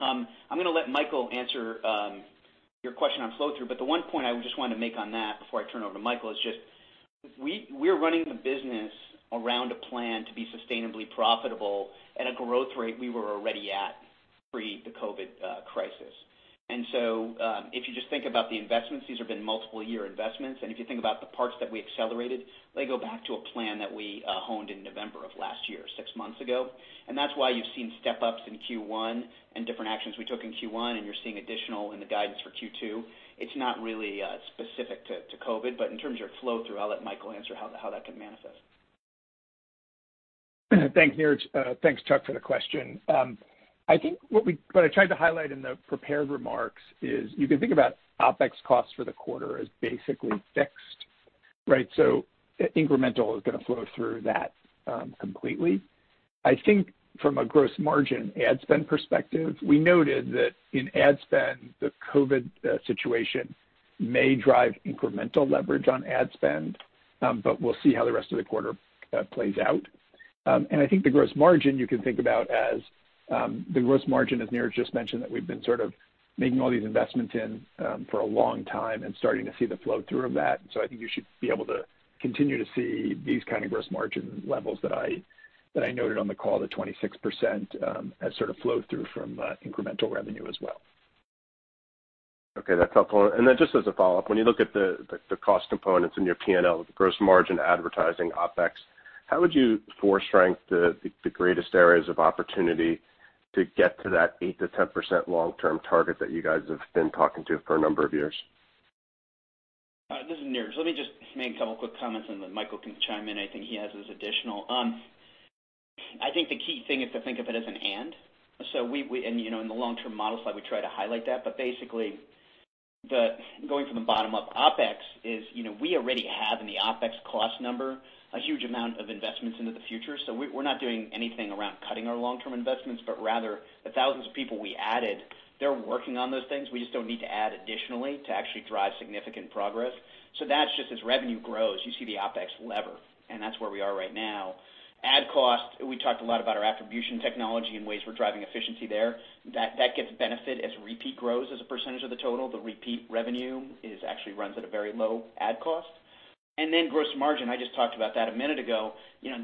I'm going to let Michael answer your question on flow-through, but the one point I just wanted to make on that before I turn it over to Michael is just we're running the business around a plan to be sustainably profitable at a growth rate we were already at pre the COVID-19 crisis. If you just think about the investments, these have been multiple-year investments. If you think about the parts that we accelerated, they go back to a plan that we honed in November of last year, six months ago. That's why you've seen step-ups in Q1 and different actions we took in Q1, and you're seeing additional in the guidance for Q2. It's not really specific to COVID-19, but in terms of your flow-through, I'll let Michael answer how that can manifest. Thanks, Niraj. Thanks, Chuck, for the question. I think what I tried to highlight in the prepared remarks is you can think about OPEX costs for the quarter as basically fixed, right? Incremental is going to flow through that completely. I think from a gross margin ad spend perspective, we noted that in ad spend, the COVID-19 situation may drive incremental leverage on ad spend, but we'll see how the rest of the quarter plays out. I think the gross margin you can think about as the gross margin, as Niraj just mentioned, that we've been sort of making all these investments in for a long time and starting to see the flow-through of that. I think you should be able to continue to see these kind of gross margin levels that I noted on the call, the 26%, as sort of flow through from incremental revenue as well. Okay. That's helpful. Just as a follow-up, when you look at the cost components in your P&L, the gross margin advertising OpEx, how would you foreshadow strength the greatest areas of opportunity to get to that 8%-10% long-term target that you guys have been talking to for a number of years? This is Niraj. Let me just make a couple quick comments, and then Michael can chime in. I think he has his additional. I think the key thing is to think of it as an and. In the long-term model slide, we try to highlight that. Basically, going from the bottom up, OpEx is we already have in the OpEx cost number a huge amount of investments into the future. We're not doing anything around cutting our long-term investments, but rather the 1,000s of people we added, they're working on those things. We just don't need to add additionally to actually drive significant progress. That's just as revenue grows, you see the OpEx lever, and that's where we are right now. Ad cost, we talked a lot about our attribution technology and ways we're driving efficiency there. That gets benefit as repeat grows as a percentage of the total. The repeat revenue actually runs at a very low ad cost. Gross margin, I just talked about that a minute ago.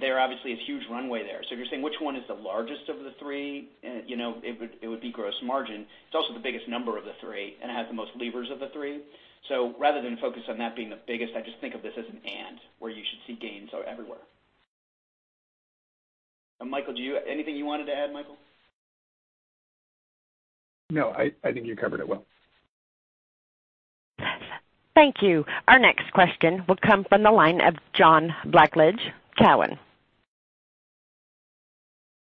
There obviously is huge runway there. If you're saying which one is the largest of the three, it would be gross margin. It's also the biggest number of the three and has the most levers of the three. Rather than focus on that being the biggest, I just think of this as an and where you should see gains are everywhere. Michael, anything you wanted to add, Michael? No, I think you covered it well. Thank you. Our next question will come from the line of John Blackledge, Cowen.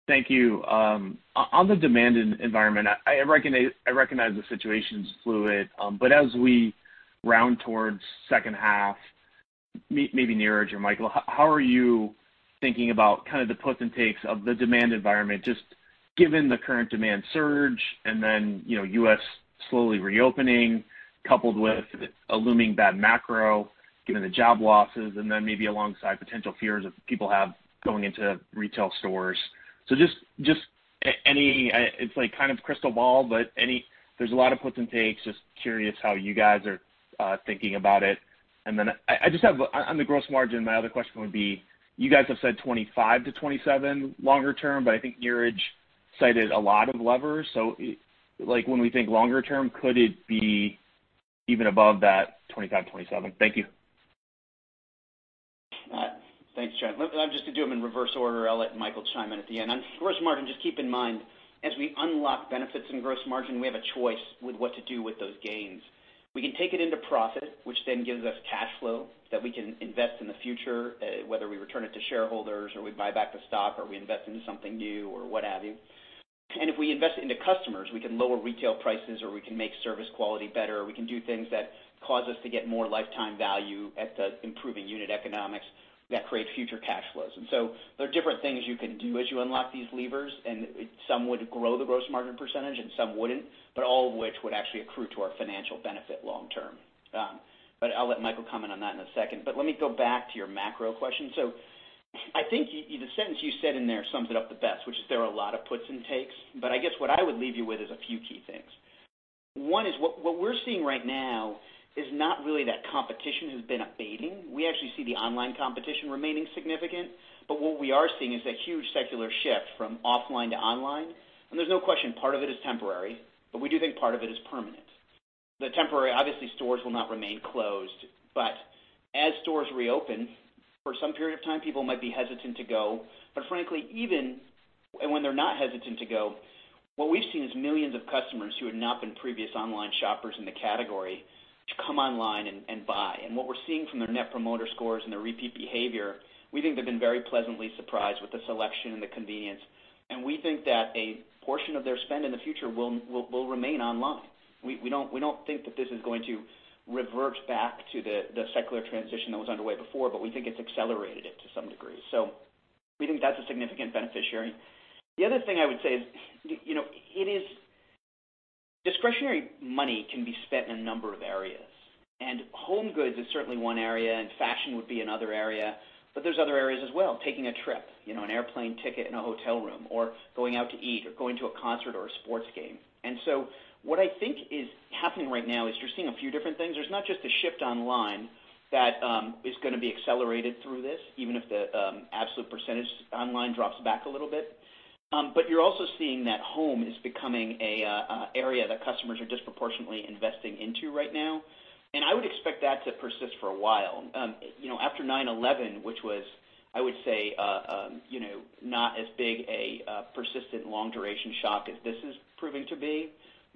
Thank you. On the demand environment, I recognize the situation's fluid. As we round towards second half, maybe Niraj or Michael, how are you thinking about kind of the puts and takes of the demand environment, just given the current demand surge and then U.S. slowly reopening, coupled with a looming bad macro, given the job losses, and then maybe alongside potential fears that people have going into retail stores. Just any, it's like kind of crystal ball, but there's a lot of puts and takes. Just curious how you guys are thinking about it. I just have on the gross margin, my other question would be, you guys have said 25%-27% longer term, but I think Niraj cited a lot of levers. Like when we think longer term, could it be even above that 25%-27%? Thank you. Thanks, John. Just to do them in reverse order, I'll let Michael chime in at the end. On gross margin, just keep in mind, as we unlock benefits in gross margin, we have a choice with what to do with those gains. We can take it into profit, which then gives us cash flow that we can invest in the future, whether we return it to shareholders or we buy back the stock or we invest into something new or what have you. If we invest into customers, we can lower retail prices, or we can make service quality better, or we can do things that cause us to get more lifetime value at the improving unit economics that create future cash flows. There are different things you can do as you unlock these levers, and some would grow the gross margin percentage and some wouldn't, but all of which would actually accrue to our financial benefit long term. I'll let Michael comment on that in a second. Let me go back to your macro question. I think the sentence you said in there sums it up the best, which is there are a lot of puts and takes, but I guess what I would leave you with is a few key things. One is what we're seeing right now is not really that competition has been abating. We actually see the online competition remaining significant, but what we are seeing is that huge secular shift from offline to online. There's no question part of it is temporary, but we do think part of it is permanent. The temporary, obviously, stores will not remain closed, but as stores reopen, for some period of time, people might be hesitant to go. Frankly, even when they're not hesitant to go, what we've seen is millions of customers who had not been previous online shoppers in the category come online and buy. What we're seeing from their net promoter scores and their repeat behavior, we think they've been very pleasantly surprised with the selection and the convenience. We think that a portion of their spend in the future will remain online. We don't think that this is going to revert back to the secular transition that was underway before, but we think it's accelerated it to some degree. We think that's a significant beneficiary. The other thing I would say is, discretionary money can be spent in a number of areas, and home goods is certainly one area, and fashion would be another area. There's other areas as well, taking a trip, an airplane ticket and a hotel room, or going out to eat or going to a concert or a sports game. What I think is happening right now is you're seeing a few different things. There's not just a shift online that is going to be accelerated through this, even if the absolute percentage online drops back a little bit. You're also seeing that home is becoming an area that customers are disproportionately investing into right now. I would expect that to persist for a while. After 9/11, which was, I would say, not as big a persistent long-duration shock as this is proving to be,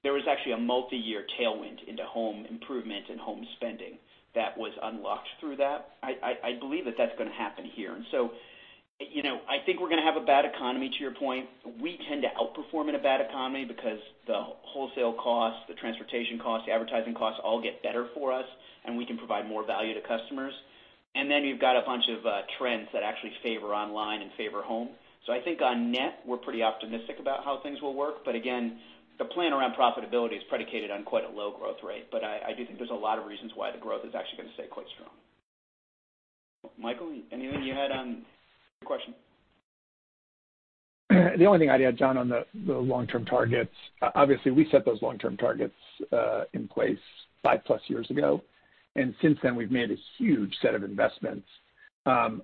there was actually a multi-year tailwind into home improvement and home spending that was unlocked through that. I believe that that's going to happen here. I think we're going to have a bad economy, to your point. We tend to outperform in a bad economy because the wholesale costs, the transportation costs, the advertising costs all get better for us, and we can provide more value to customers. Then you've got a bunch of trends that actually favor online and favor home. I think on net, we're pretty optimistic about how things will work. Again, the plan around profitability is predicated on quite a low growth rate. I do think there's a lot of reasons why the growth is actually going to stay quite strong. Michael, anything you had on the question? The only thing I'd add, John, on the long-term targets, obviously, we set those long-term targets in place 5+ years ago, since then, we've made a huge set of investments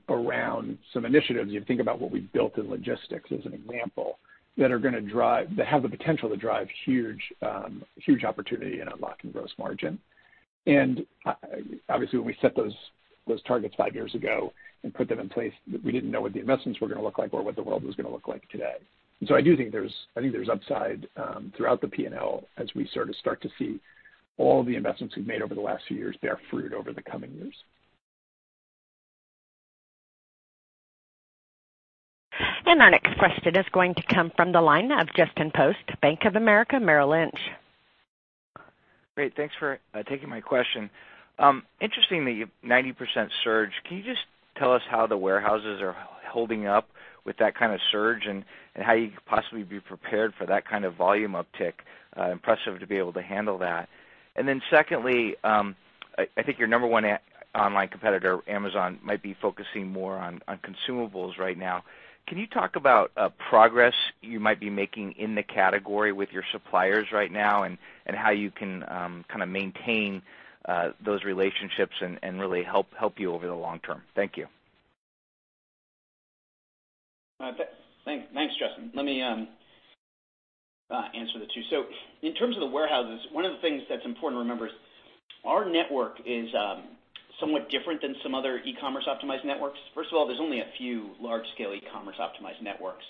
around some initiatives. You think about what we've built in logistics as an example, that have the potential to drive huge opportunity and unlocking gross margin. Obviously, when we set those targets five years ago and put them in place, we didn't know what the investments were going to look like or what the world was going to look like today. I do think there's upside throughout the P&L as we sort of start to see all the investments we've made over the last few years bear fruit over the coming years. Our next question is going to come from the line of Justin Post, Bank of America Merrill Lynch. Great. Thanks for taking my question. Interestingly, 90% surge. Can you just tell us how the warehouses are holding up with that kind of surge and how you could possibly be prepared for that kind of volume uptick? Impressive to be able to handle that. Secondly, I think your number one online competitor, Amazon, might be focusing more on consumables right now. Can you talk about progress you might be making in the category with your suppliers right now and how you can kind of maintain those relationships and really help you over the long term? Thank you. Thanks, Justin. Let me answer the two. In terms of the warehouses, one of the things that's important to remember is our network is somewhat different than some other e-commerce optimized networks. First of all, there's only a few large-scale e-commerce optimized networks.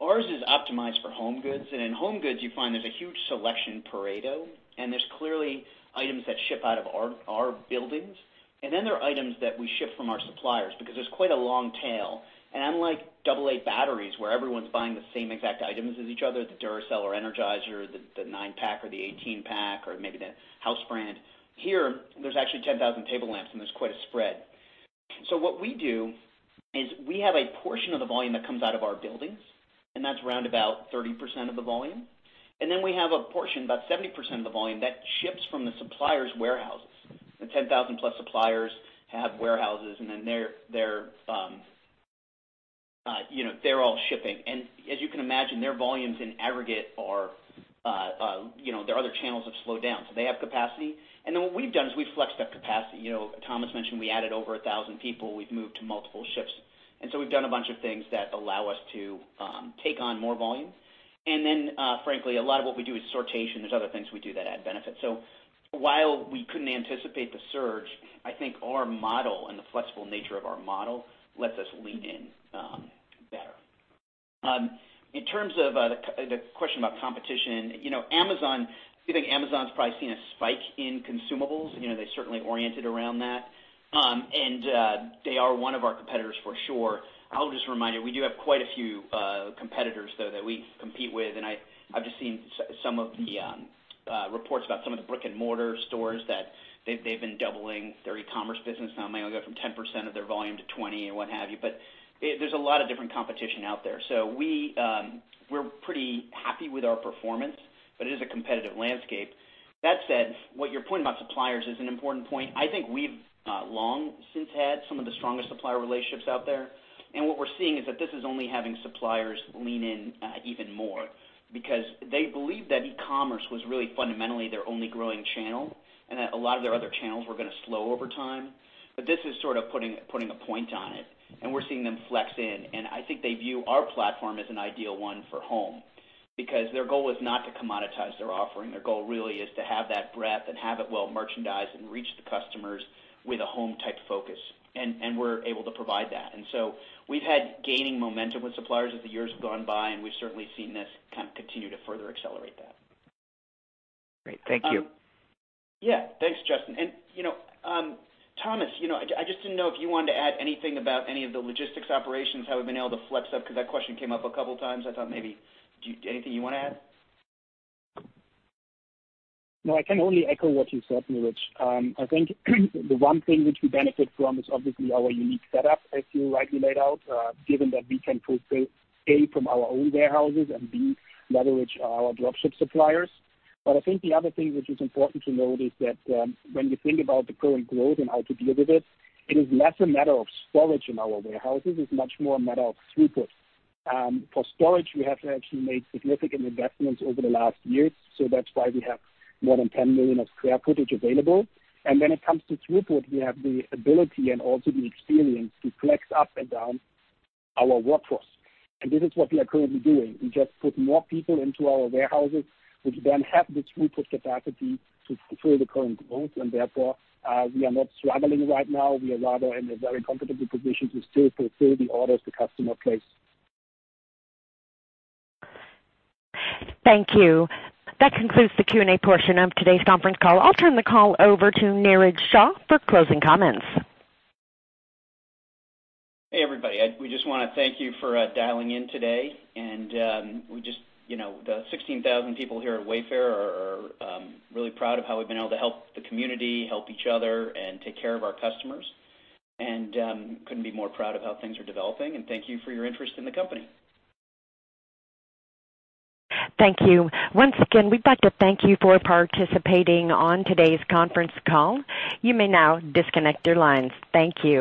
Ours is optimized for home goods, and in home goods, you find there's a huge selection Pareto, and there's clearly items that ship out of our buildings, and then there are items that we ship from our suppliers because there's quite a long tail. Unlike double A batteries, where everyone's buying the same exact items as each other, the Duracell or Energizer, the nine-pack or the 18-pack or maybe the house brand, here, there's actually 10,000 table lamps, and there's quite a spread. What we do is we have a portion of the volume that comes out of our buildings, and that's around about 30% of the volume. We have a portion, about 70% of the volume, that ships from the suppliers' warehouses. The 10,000+ suppliers have warehouses, and then they're all shipping. As you can imagine, their volumes in aggregate, their other channels have slowed down, so they have capacity. What we've done is we've flexed our capacity. Thomas mentioned we added over 1,000 people. We've moved to multiple shifts. We've done a bunch of things that allow us to take on more volume. Frankly, a lot of what we do is sortation. There's other things we do that add benefit. While we couldn't anticipate the surge, I think our model and the flexible nature of our model lets us lean in. In terms of the question about competition, Amazon's probably seen a spike in consumables. They certainly oriented around that. They are one of our competitors for sure. I'll just remind you, we do have quite a few competitors, though, that we compete with, and I've just seen some of the reports about some of the brick-and-mortar stores that they've been doubling their e-commerce business. Maybe they'll go from 10% of their volume to 20% and what have you. There's a lot of different competition out there. We're pretty happy with our performance, but it is a competitive landscape. That said, what you're pointing about suppliers is an important point. I think we've long since had some of the strongest supplier relationships out there. What we're seeing is that this is only having suppliers lean in even more because they believe that e-commerce was really fundamentally their only growing channel, and that a lot of their other channels were going to slow over time. This is sort of putting a point on it. We're seeing them flex in. I think they view our platform as an ideal one for home because their goal is not to commoditize their offering. Their goal really is to have that breadth and have it well merchandised and reach the customers with a home-type focus. We're able to provide that. We've had gaining momentum with suppliers as the years have gone by. We've certainly seen this kind of continue to further accelerate that. Great. Thank you. Yeah. Thanks, Justin. Thomas, I just didn't know if you wanted to add anything about any of the logistics operations, how we've been able to flex up, because that question came up a couple of times. I thought maybe. Anything you want to add? I can only echo what you said, Niraj. I think the one thing which we benefit from is obviously our unique setup, as you rightly laid out, given that we can fulfill, A, from our own warehouses and, B, leverage our drop ship suppliers. I think the other thing which is important to note is that when you think about the current growth and how to deal with it is less a matter of storage in our warehouses. It's much more a matter of throughput. For storage, we have actually made significant investments over the last years, so that's why we have more than 10 million of square footage available. When it comes to throughput, we have the ability and also the experience to flex up and down our workforce. This is what we are currently doing. We just put more people into our warehouses, which then have the throughput capacity to fulfill the current growth. Therefore, we are not struggling right now. We are rather in a very comfortable position to still fulfill the orders the customer place. Thank you. That concludes the Q&A portion of today's conference call. I'll turn the call over to Niraj Shah for closing comments. Hey, everybody. We just want to thank you for dialing in today, and the 16,000 people here at Wayfair are really proud of how we've been able to help the community, help each other, and take care of our customers, and couldn't be more proud of how things are developing. Thank you for your interest in the company. Thank you. Once again, we'd like to thank you for participating on today's conference call. You may now disconnect your lines. Thank you.